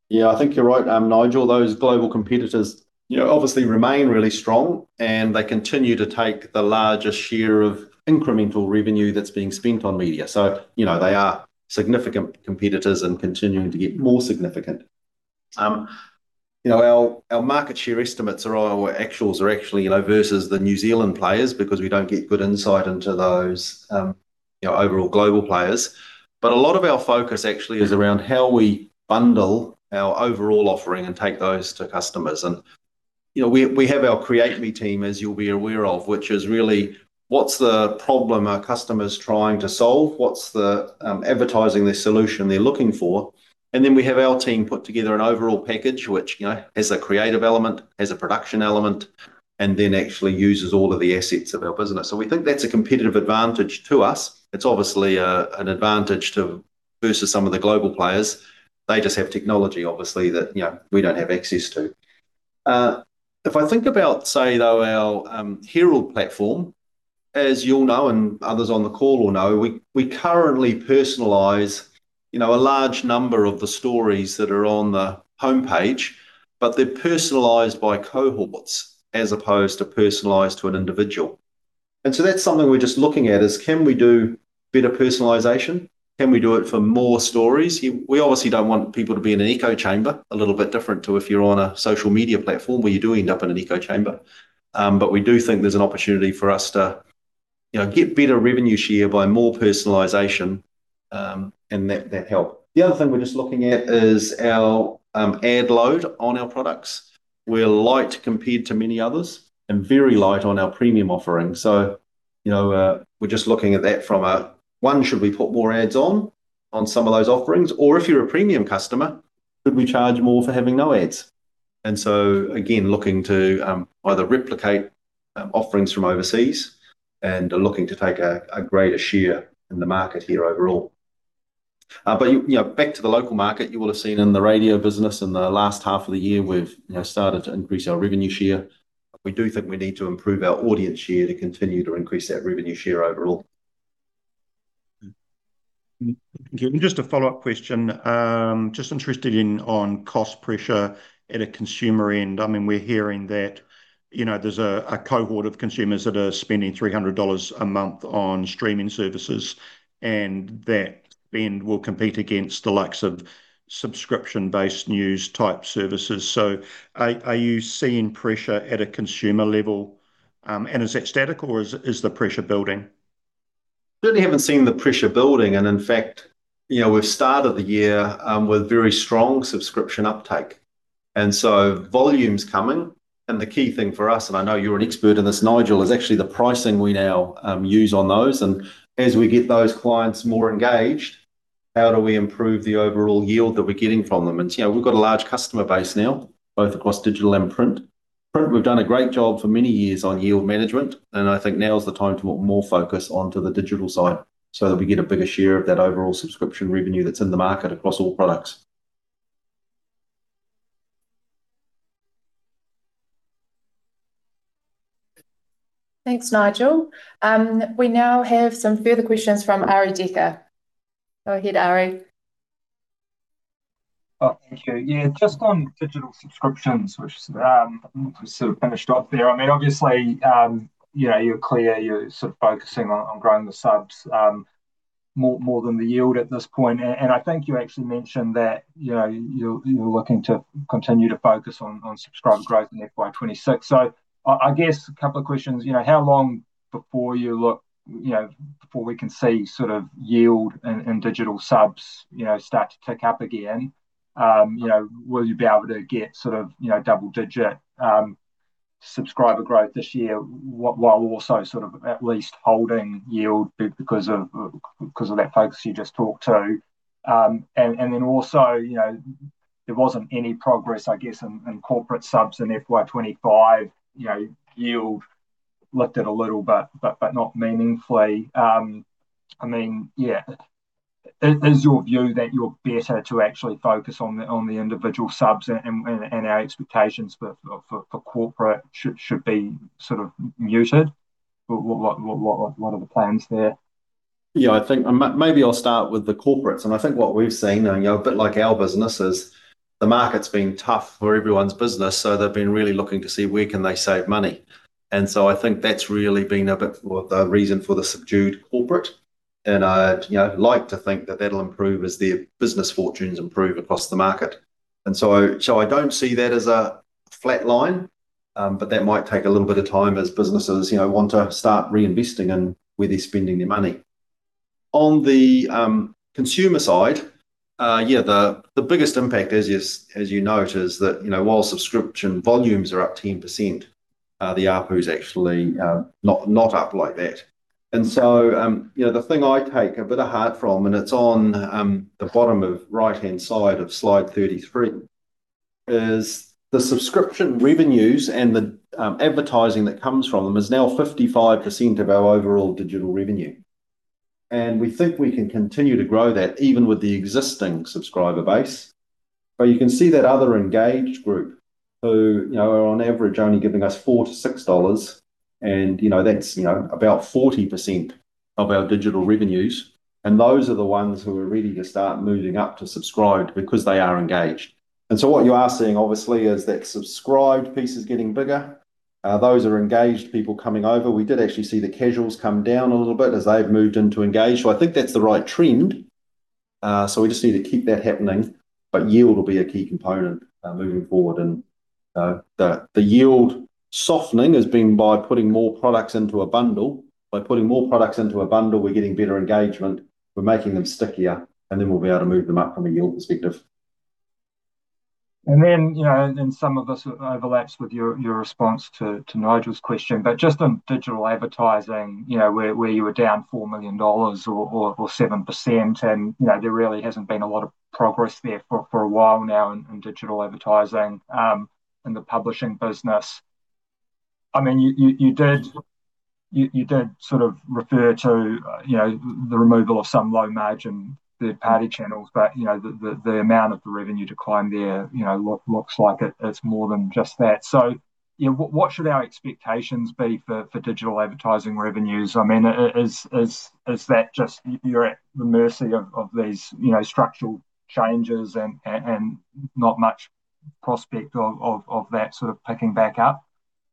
Yeah, I think you're right, Nigel, those global competitors, you know, obviously remain really strong, and they continue to take the largest share of incremental revenue that's being spent on media. You know, they are significant competitors and continuing to get more significant. You know, our, our market share estimates or our actuals are actually, you know, versus the New Zealand players because we don't get good insight into those, you know, overall global players. A lot of our focus actually is around how we bundle our overall offering and take those to customers. You know, we, we have our CreateMe team, as you'll be aware of, which is really what's the problem our customer's trying to solve? What's the advertising, the solution they're looking for? Then we have our team put together an overall package, which, you know, has a creative element, has a production element, and then actually uses all of the assets of our business. We think that's a competitive advantage to us. It's obviously an advantage to, versus some of the global players. They just have technology, obviously, that, you know, we don't have access to. If I think about, say, though, our Herald platform, as you'll know, and others on the call will know, we, we currently personalize, you know, a large number of the stories that are on the homepage, but they're personalized by cohorts as opposed to personalized to an individual. That's something we're just looking at, is can we do better personalization? Can we do it for more stories? We, we obviously don't want people to be in an echo chamber, a little bit different to if you're on a social media platform, where you do end up in an echo chamber. We do think there's an opportunity for us to, you know, get better revenue share by more personalization, and that, that help. The other thing we're just looking at is our ad load on our products. We're light compared to many others and very light on our premium offerings. You know, we're just looking at that from a, one, should we put more ads on, on some of those offerings? If you're a premium customer, could we charge more for having no ads? Again, looking to either replicate offerings from overseas and are looking to take a, a greater share in the market here overall. You know, back to the local market, you will have seen in the radio business in the last half of the year, we've, you know, started to increase our revenue share. We do think we need to improve our audience share to continue to increase that revenue share overall. Thank you. Just a follow-up question. Just interested in on cost pressure at a consumer end. I mean, we're hearing that, you know, there's a, a cohort of consumers that are spending $300 a month on streaming services, and that then will compete against the likes of subscription-based news type services. Are you seeing pressure at a consumer level? Is that static or is, is the pressure building? Certainly haven't seen the pressure building, and in fact, you know, we've started the year, with very strong subscription uptake, and so volume's coming. The key thing for us, and I know you're an expert in this, Nigel, is actually the pricing we now use on those. As we get those clients more engaged, how do we improve the overall yield that we're getting from them? You know, we've got a large customer base now, both across digital and print. Print, we've done a great job for many years on yield management, and I think now is the time to put more focus onto the digital side so that we get a bigger share of that overall subscription revenue that's in the market across all products. Thanks, Nigel. We now have some further questions from Arie Dekker. Go ahead, Arie. Oh, thank you. Yeah, just on digital subscriptions, which, we sort of finished off there. I mean, obviously, you know, you're clear you're sort of focusing on, on growing the subs, more, more than the yield at this point. I think you actually mentioned that, you know, you're, you're looking to continue to focus on, on subscriber growth in FY 2026. I, I guess a couple of questions. You know, how long before you look, you know, before we can see sort of yield and, and digital subs, you know, start to tick up again? You know, will you be able to get sort of, you know, double-digit, subscriber growth this year, while also sort of at least holding yield because of, because of that focus you just talked to? Then also, you know, there wasn't any progress, I guess, in corporate subs in FY 2025. You know, yield lifted a little, but, but, but not meaningfully. I mean, yeah, is your view that you're better to actually focus on the individual subs, and our expectations for corporate should be sort of muted? What, what, what are the plans there? Yeah, I think. Maybe I'll start with the corporates. I think what we've seen, and, you know, a bit like our business, is the market's been tough for everyone's business, so they've been really looking to see where can they save money. I think that's really been a bit of the reason for the subdued corporate, and I'd, you know, like to think that that'll improve as their business fortunes improve across the market. So I don't see that as a flat line, but that might take a little bit of time as businesses, you know, want to start reinvesting in where they're spending their money. On the consumer side, yeah, the biggest impact is, as you note, is that, you know, while subscription volumes are up 10%, the ARPU is actually not, not up like that. You know, the thing I take a bit of heart from, and it's on the bottom of right-hand side of slide 33, is the subscription revenues and the advertising that comes from them is now 55% of our overall digital revenue. We think we can continue to grow that even with the existing subscriber base. You can see that other engaged group who, you know, are on average only giving us 4-6 dollars, and, you know, that's, you know, about 40% of our digital revenues, and those are the ones who are ready to start moving up to subscribed because they are engaged. What you are seeing, obviously, is that subscribed piece is getting bigger. Those are engaged people coming over. We did actually see the casuals come down a little bit as they've moved into engaged. I think that's the right trend-..., so we just need to keep that happening, but yield will be a key component moving forward. The, the yield softening has been by putting more products into a bundle. By putting more products into a bundle, we're getting better engagement, we're making them stickier, and then we'll be able to move them up from a yield perspective. You know, and some of this overlaps with your, your response to, to Nigel's question, but just on digital advertising, you know, where, where you were down 4 million dollars or 7%, and, you know, there really hasn't been a lot of progress there for, for a while now in, in digital advertising in the Publishing business. I mean, you, you, you did, you, you did sort of refer to, you know, the removal of some low-margin third-party channels, but, you know, the, the, the amount of the revenue decline there, you know, looks like it, it's more than just that. You know, what, what should our expectations be for, for digital advertising revenues? I mean, is that just you're at the mercy of these, you know, structural changes and not much prospect of that sort of picking back up?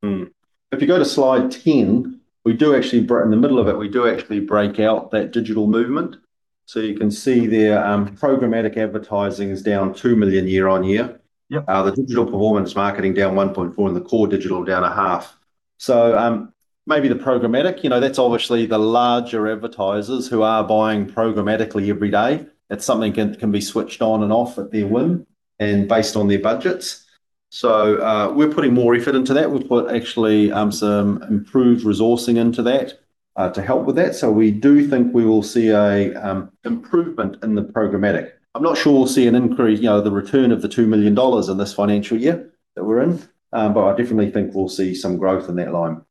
Mm. If you go to slide 10, we do actually break-- in the middle of it, we do actually break out that digital movement. You can see there, programmatic advertising is down $2 million year-on-year. Yep. The digital performance marketing down 1.4 million, the core digital down NZD 0.5 million. Maybe the programmatic, you know, that's obviously the larger advertisers who are buying programmatically every day. That's something can, can be switched on and off at their whim and based on their budgets. We're putting more effort into that. We've put actually some improved resourcing into that to help with that. We do think we will see an improvement in the programmatic. I'm not sure we'll see an increase, you know, the return of the 2 million dollars in this financial year that we're in, but I definitely think we'll see some growth in that line.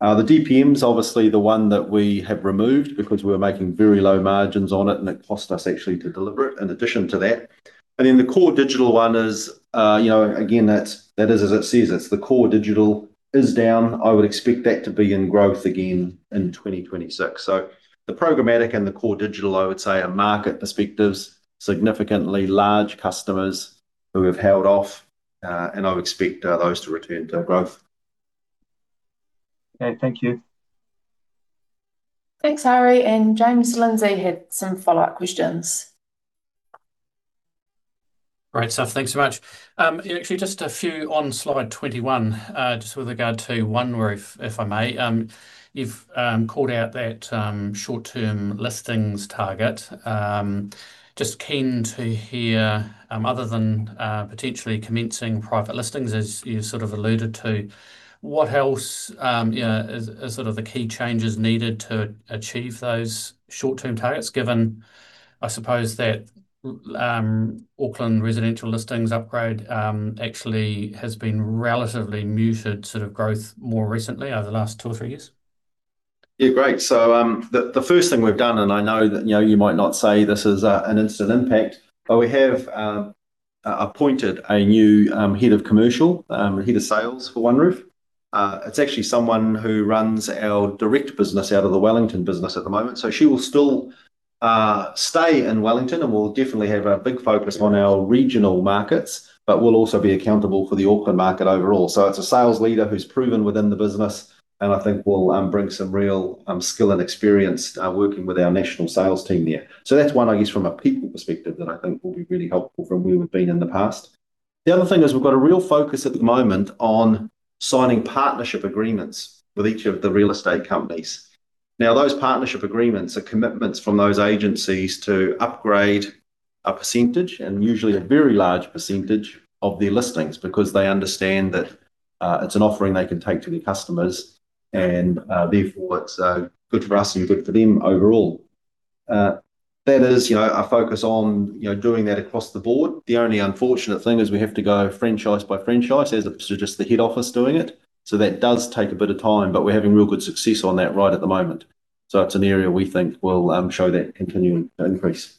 The DPM is obviously the one that we have removed because we were making very low margins on it, and it cost us actually to deliver it in addition to that. The core digital one is, you know, again, that's, that is as it says, it's the core digital is down. I would expect that to be in growth again in 2026. The programmatic and the core digital, I would say, are market perspectives, significantly large customers who have held off, and I would expect those to return to growth. Okay, thank you. Thanks, Arie. James Lindsay had some follow-up questions. Great stuff. Thanks so much. Actually, just a few on slide 21, just with regard to OneRoof, if I may. You've called out that short-term listings target. Just keen to hear, other than potentially commencing private listings, as you sort of alluded to, what else, you know, is, is sort of the key changes needed to achieve those short-term targets, given, I suppose, that Auckland residential listings upgrade actually has been relatively muted sort of growth more recently over the last two or three years? Yeah, great. The first thing we've done, and I know that, you know, you might not say this is an instant impact, but we have appointed a new head of commercial, head of sales for OneRoof. It's actually someone who runs our direct business out of the Wellington business at the moment. She will still stay in Wellington, and we'll definitely have a big focus on our regional markets, but will also be accountable for the Auckland market overall. It's a sales leader who's proven within the business, and I think will bring some real skill and experience working with our national sales team there. That's one, I guess, from a people perspective, that I think will be really helpful from where we've been in the past. The other thing is we've got a real focus at the moment on signing partnership agreements with each of the real estate companies. Now, those partnership agreements are commitments from those agencies to upgrade a percentage, and usually a very large percentage of their listings, because they understand that it's an offering they can take to their customers, and therefore, it's good for us and good for them overall. That is, you know, our focus on, you know, doing that across the board. The only unfortunate thing is we have to go franchise by franchise, as opposed to just the head office doing it. That does take a bit of time, but we're having real good success on that right at the moment. It's an area we think will show that continuing increase.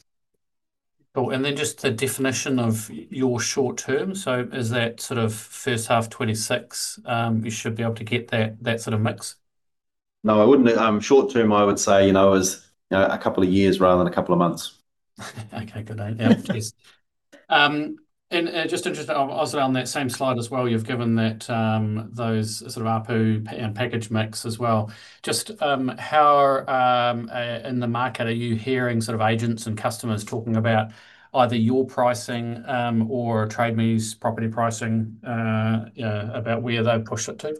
Cool. Then just the definition of your short term, is that sort of first half 2026, you should be able to get that, that sort of mix? No, I wouldn't. Short term, I would say, you know, is, you know, a couple of years rather than a couple of months. Okay, good. Yeah, please. Just interested, also on that same slide as well, you've given that, those sort of ARPU and package mix as well. Just, how are, in the market are you hearing sort of agents and customers talking about either your pricing, or Trade Me's property pricing, about where they'd push it to?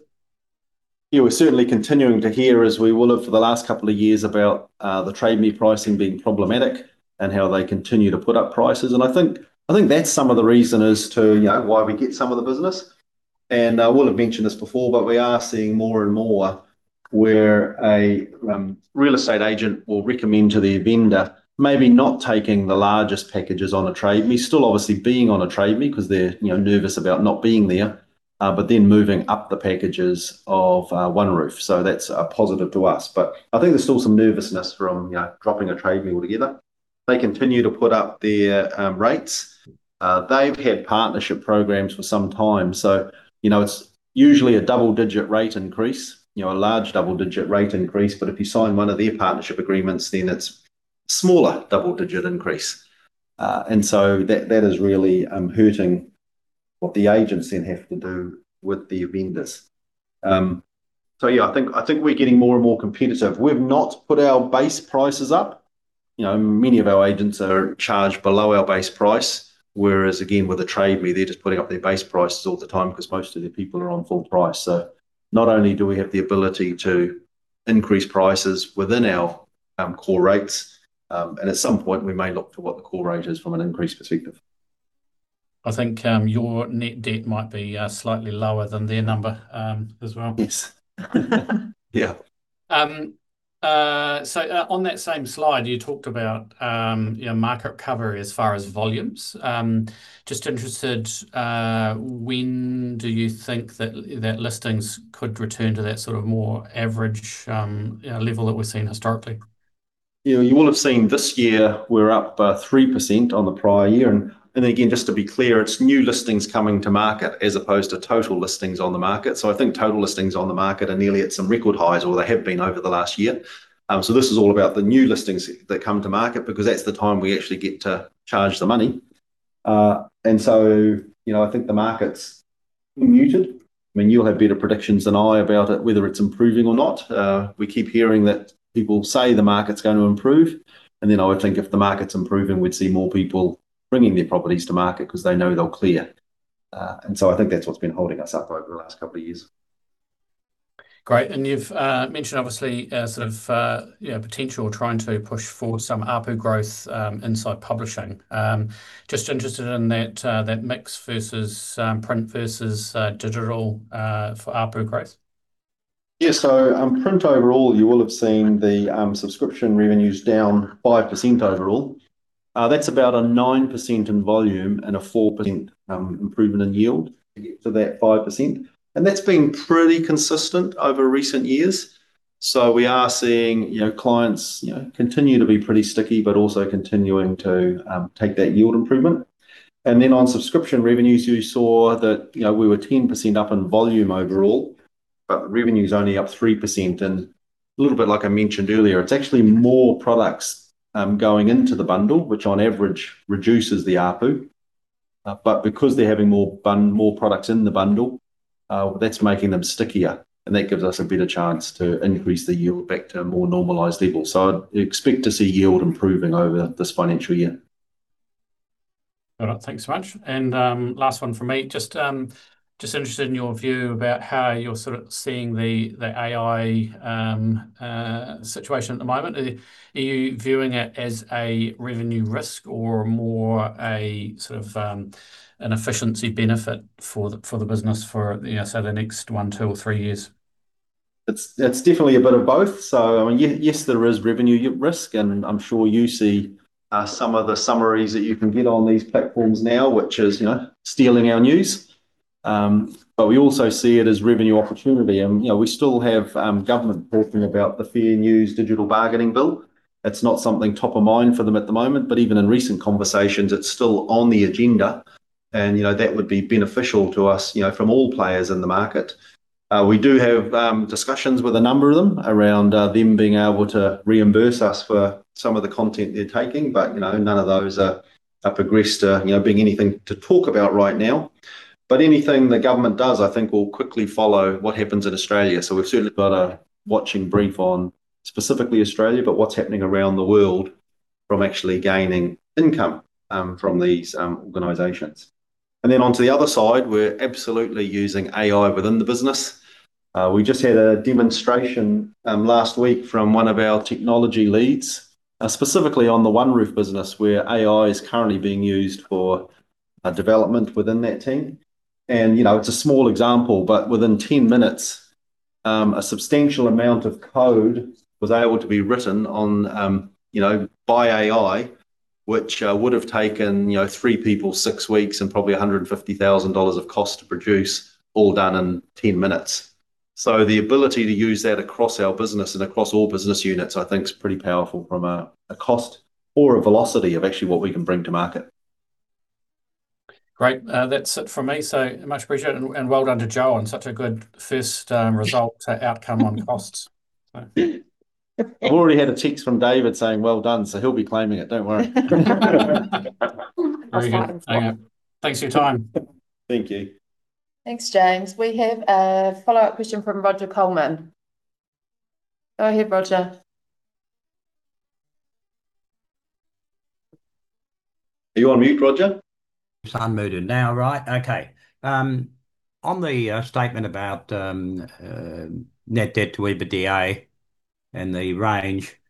Yeah, we're certainly continuing to hear, as we will have for the last couple of years, about the Trade Me pricing being problematic and how they continue to put up prices, and I think, I think that's some of the reason as to, you know, why we get some of the business. I will have mentioned this before, but we are seeing more and more where a real estate agent will recommend to their vendor, maybe not taking the largest packages on a Trade Me, still obviously being on a Trade Me, because they're, you know, nervous about not being there, but then moving up the packages of OneRoof. That's a positive to us. I think there's still some nervousness from, you know, dropping a Trade Me altogether. They continue to put up their rates. They've had partnership programs for some time, you know, it's usually a double-digit rate increase, you know, a large double-digit rate increase, but if you sign one of their partnership agreements, then it's smaller double-digit increase. That, that is really hurting what the agents then have to do with the vendors. Yeah, I think, I think we're getting more and more competitive. We've not put our base prices up. You know, many of our agents are charged below our base price, whereas, again, with the Trade Me, they're just putting up their base prices all the time because most of their people are on full price. Not only do we have the ability to increase prices within our core rates, and at some point we may look to what the core rate is from an increased perspective. I think, your net debt might be slightly lower than their number, as well. Yes. Yeah. On that same slide, you talked about, you know, market cover as far as volumes. Just interested, when do you think that, that listings could return to that sort of more average level that we've seen historically? You know, you will have seen this year we're up 3% on the prior year. Again, just to be clear, it's new listings coming to market as opposed to total listings on the market. I think total listings on the market are nearly at some record highs, or they have been over the last year. This is all about the new listings that come to market, because that's the time we actually get to charge the money. So, you know, I think the market's muted. I mean, you'll have better predictions than I about it, whether it's improving or not. We keep hearing that people say the market's going to improve, then I would think if the market's improving, we'd see more people bringing their properties to market because they know they'll clear. I think that's what's been holding us up over the last couple of years. Great. You've mentioned obviously, sort of, yeah, potential trying to push for some ARPU growth inside Publishing. Just interested in that mix versus print versus digital for ARPU growth. Yeah. Print overall, you will have seen the subscription revenues down 5% overall. That's about a 9% in volume and a 4% improvement in yield to get to that 5%, and that's been pretty consistent over recent years. We are seeing, you know, clients, you know, continue to be pretty sticky, but also continuing to take that yield improvement. Then on subscription revenues, you saw that, you know, we were 10% up in volume overall, but revenue's only up 3%. A little bit like I mentioned earlier, it's actually more products going into the bundle, which on average reduces the ARPU. Because they're having more products in the bundle, that's making them stickier, and that gives us a better chance to increase the yield back to a more normalized level. I'd expect to see yield improving over this financial year. All right. Thanks so much. Last one from me. Just, just interested in your view about how you're sort of seeing the, the AI situation at the moment. Are, are you viewing it as a revenue risk or more a sort of, an efficiency benefit for the, for the business for, you know, say, the next one, two, or three years? It's, it's definitely a bit of both. I mean, yes, there is revenue at risk, and I'm sure you see some of the summaries that you can get on these platforms now, which is, you know, stealing our news. We also see it as revenue opportunity. You know, we still have government talking about the Fair Digital News Bargaining Bill. It's not something top of mind for them at the moment, but even in recent conversations, it's still on the agenda, and, you know, that would be beneficial to us, you know, from all players in the market. We do have discussions with a number of them around them being able to reimburse us for some of the content they're taking, but, you know, none of those are, have progressed to, you know, being anything to talk about right now. Anything the government does, I think, will quickly follow what happens in Australia. We've certainly got a watching brief on specifically Australia, but what's happening around the world from actually gaining income from these organizations. Then onto the other side, we're absolutely using AI within the business. We just had a demonstration last week from one of our technology leads, specifically on the OneRoof business, where AI is currently being used for a development within that team. You know, it's a small example, but within 10 minutes, a substantial amount of code was able to be written on, you know, by AI, which would have taken, you know, three people six weeks and probably 150,000 dollars of cost to produce, all done in 10 minutes. The ability to use that across our business and across all business units, I think is pretty powerful from a, a cost or a velocity of actually what we can bring to market. Great. That's it for me, so much appreciated, and, and well done to Jo on such a good first, result, outcome on costs. I've already had a text from David saying, "Well done." He'll be claiming it, don't worry. Very good. Hanging up. Thanks for your time. Thank you. Thanks, James. We have a follow-up question from Roger Colman. Go ahead, Roger. Are you on mute, Roger? Just unmuted now, right? Okay. On the statement about net debt to EBITDA and the range,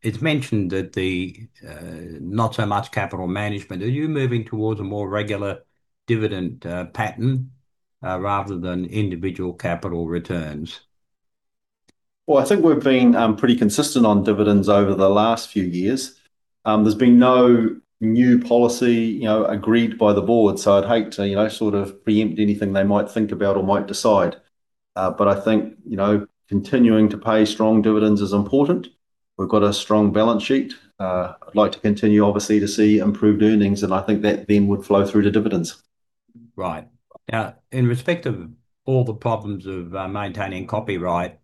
it's mentioned that the not so much capital management. Are you moving towards a more regular dividend pattern rather than individual capital returns? Well, I think we've been pretty consistent on dividends over the last few years. There's been no new policy, you know, agreed by the board, so I'd hate to, you know, sort of pre-empt anything they might think about or might decide. I think, you know, continuing to pay strong dividends is important. We've got a strong balance sheet. I'd like to continue, obviously, to see improved earnings, and I think that then would flow through to dividends. Right. Now, in respect of all the problems of maintaining copyright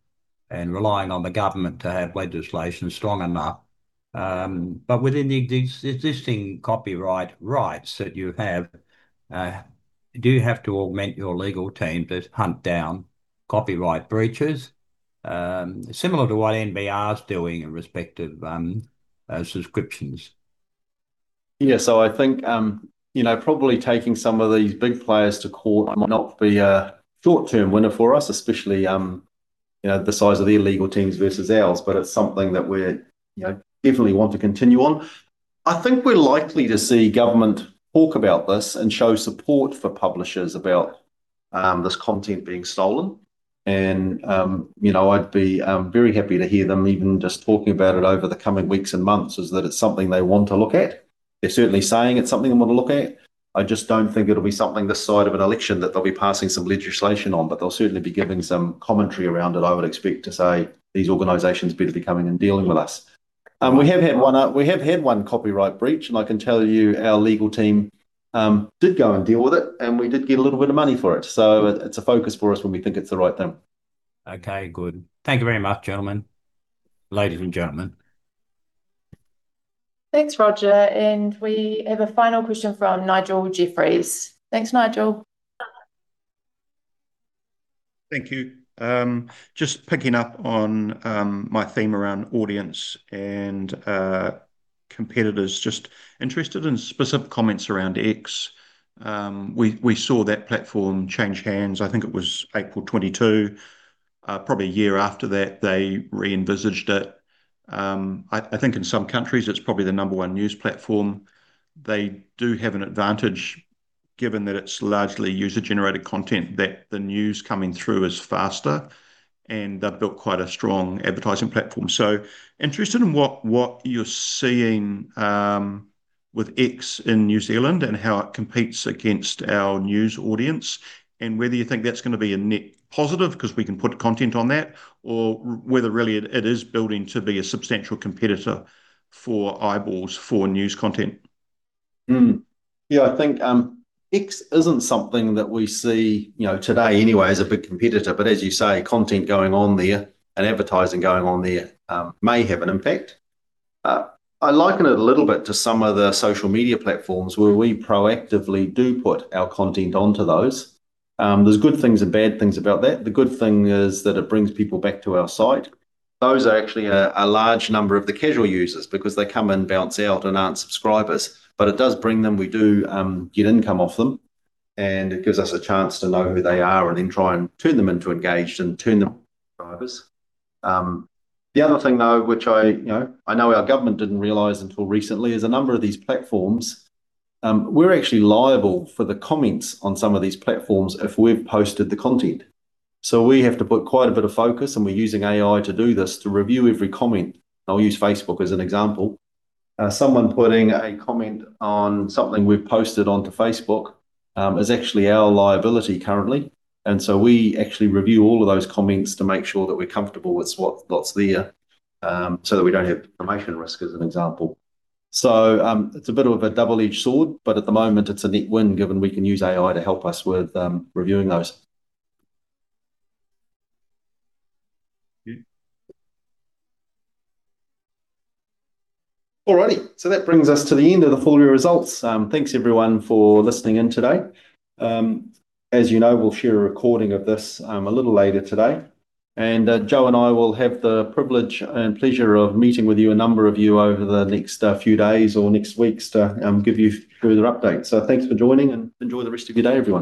and relying on the government to have legislation strong enough-... but within the existing copyright rights that you have, do you have to augment your legal team to hunt down copyright breaches, similar to what NBR is doing in respect of subscriptions? Yeah. I think, you know, probably taking some of these big players to court might not be a short-term winner for us, especially, you know, the size of their legal teams versus ours, but it's something that we're, you know, definitely want to continue on. I think we're likely to see government talk about this and show support for publishers about this content being stolen. You know, I'd be very happy to hear them even just talking about it over the coming weeks and months, is that it's something they want to look at. They're certainly saying it's something they want to look at. I just don't think it'll be something this side of an election that they'll be passing some legislation on, but they'll certainly be giving some commentary around it. I would expect to say, "These organizations better be coming and dealing with us." We have had one copyright breach, and I can tell you, our legal team did go and deal with it, and we did get a little bit of money for it. It's a focus for us when we think it's the right thing. Okay, good. Thank you very much, gentlemen. Ladies and gentlemen. Thanks, Roger. We have a final question from Nigel Jeffries. Thanks, Nigel. Thank you. Just picking up on my theme around audience and competitors, just interested in specific comments around X. We, we saw that platform change hands, I think it was April 2022. Probably a year after that, they re-envisaged it. I, I think in some countries it's probably the number one news platform. They do have an advantage, given that it's largely user-generated content, that the news coming through is faster, and they've built quite a strong advertising platform. Interested in what, what you're seeing with X in New Zealand and how it competes against our news audience, and whether you think that's going to be a net positive, because we can put content on that, or whether really it, it is building to be a substantial competitor for eyeballs, for news content. Yeah, I think X isn't something that we see, you know, today anyway, as a big competitor. As you say, content going on there and advertising going on there, may have an impact. I liken it a little bit to some of the social media platforms where we proactively do put our content onto those. There's good things and bad things about that. The good thing is that it brings people back to our site. Those are actually a, a large number of the casual users because they come in, bounce out, and aren't subscribers, but it does bring them. We do get income off them, and it gives us a chance to know who they are, and then try and turn them into engaged and turn them subscribers. The other thing, though, which I, you know, I know our government didn't realize until recently, is a number of these platforms, we're actually liable for the comments on some of these platforms if we've posted the content. We have to put quite a bit of focus, and we're using AI to do this, to review every comment. I'll use Facebook as an example. Someone putting a comment on something we've posted onto Facebook, is actually our liability currently, and we actually review all of those comments to make sure that we're comfortable with what- what's there, so that we don't have information risk, as an example. It's a bit of a double-edged sword, but at the moment, it's a net win, given we can use AI to help us with, reviewing those. Thank you. All righty, that brings us to the end of the full year results. Thanks, everyone, for listening in today. As you know, we'll share a recording of this a little later today. Jo and I will have the privilege and pleasure of meeting with you, a number of you, over the next few days or next weeks to give you further updates. Thanks for joining, and enjoy the rest of your day, everyone.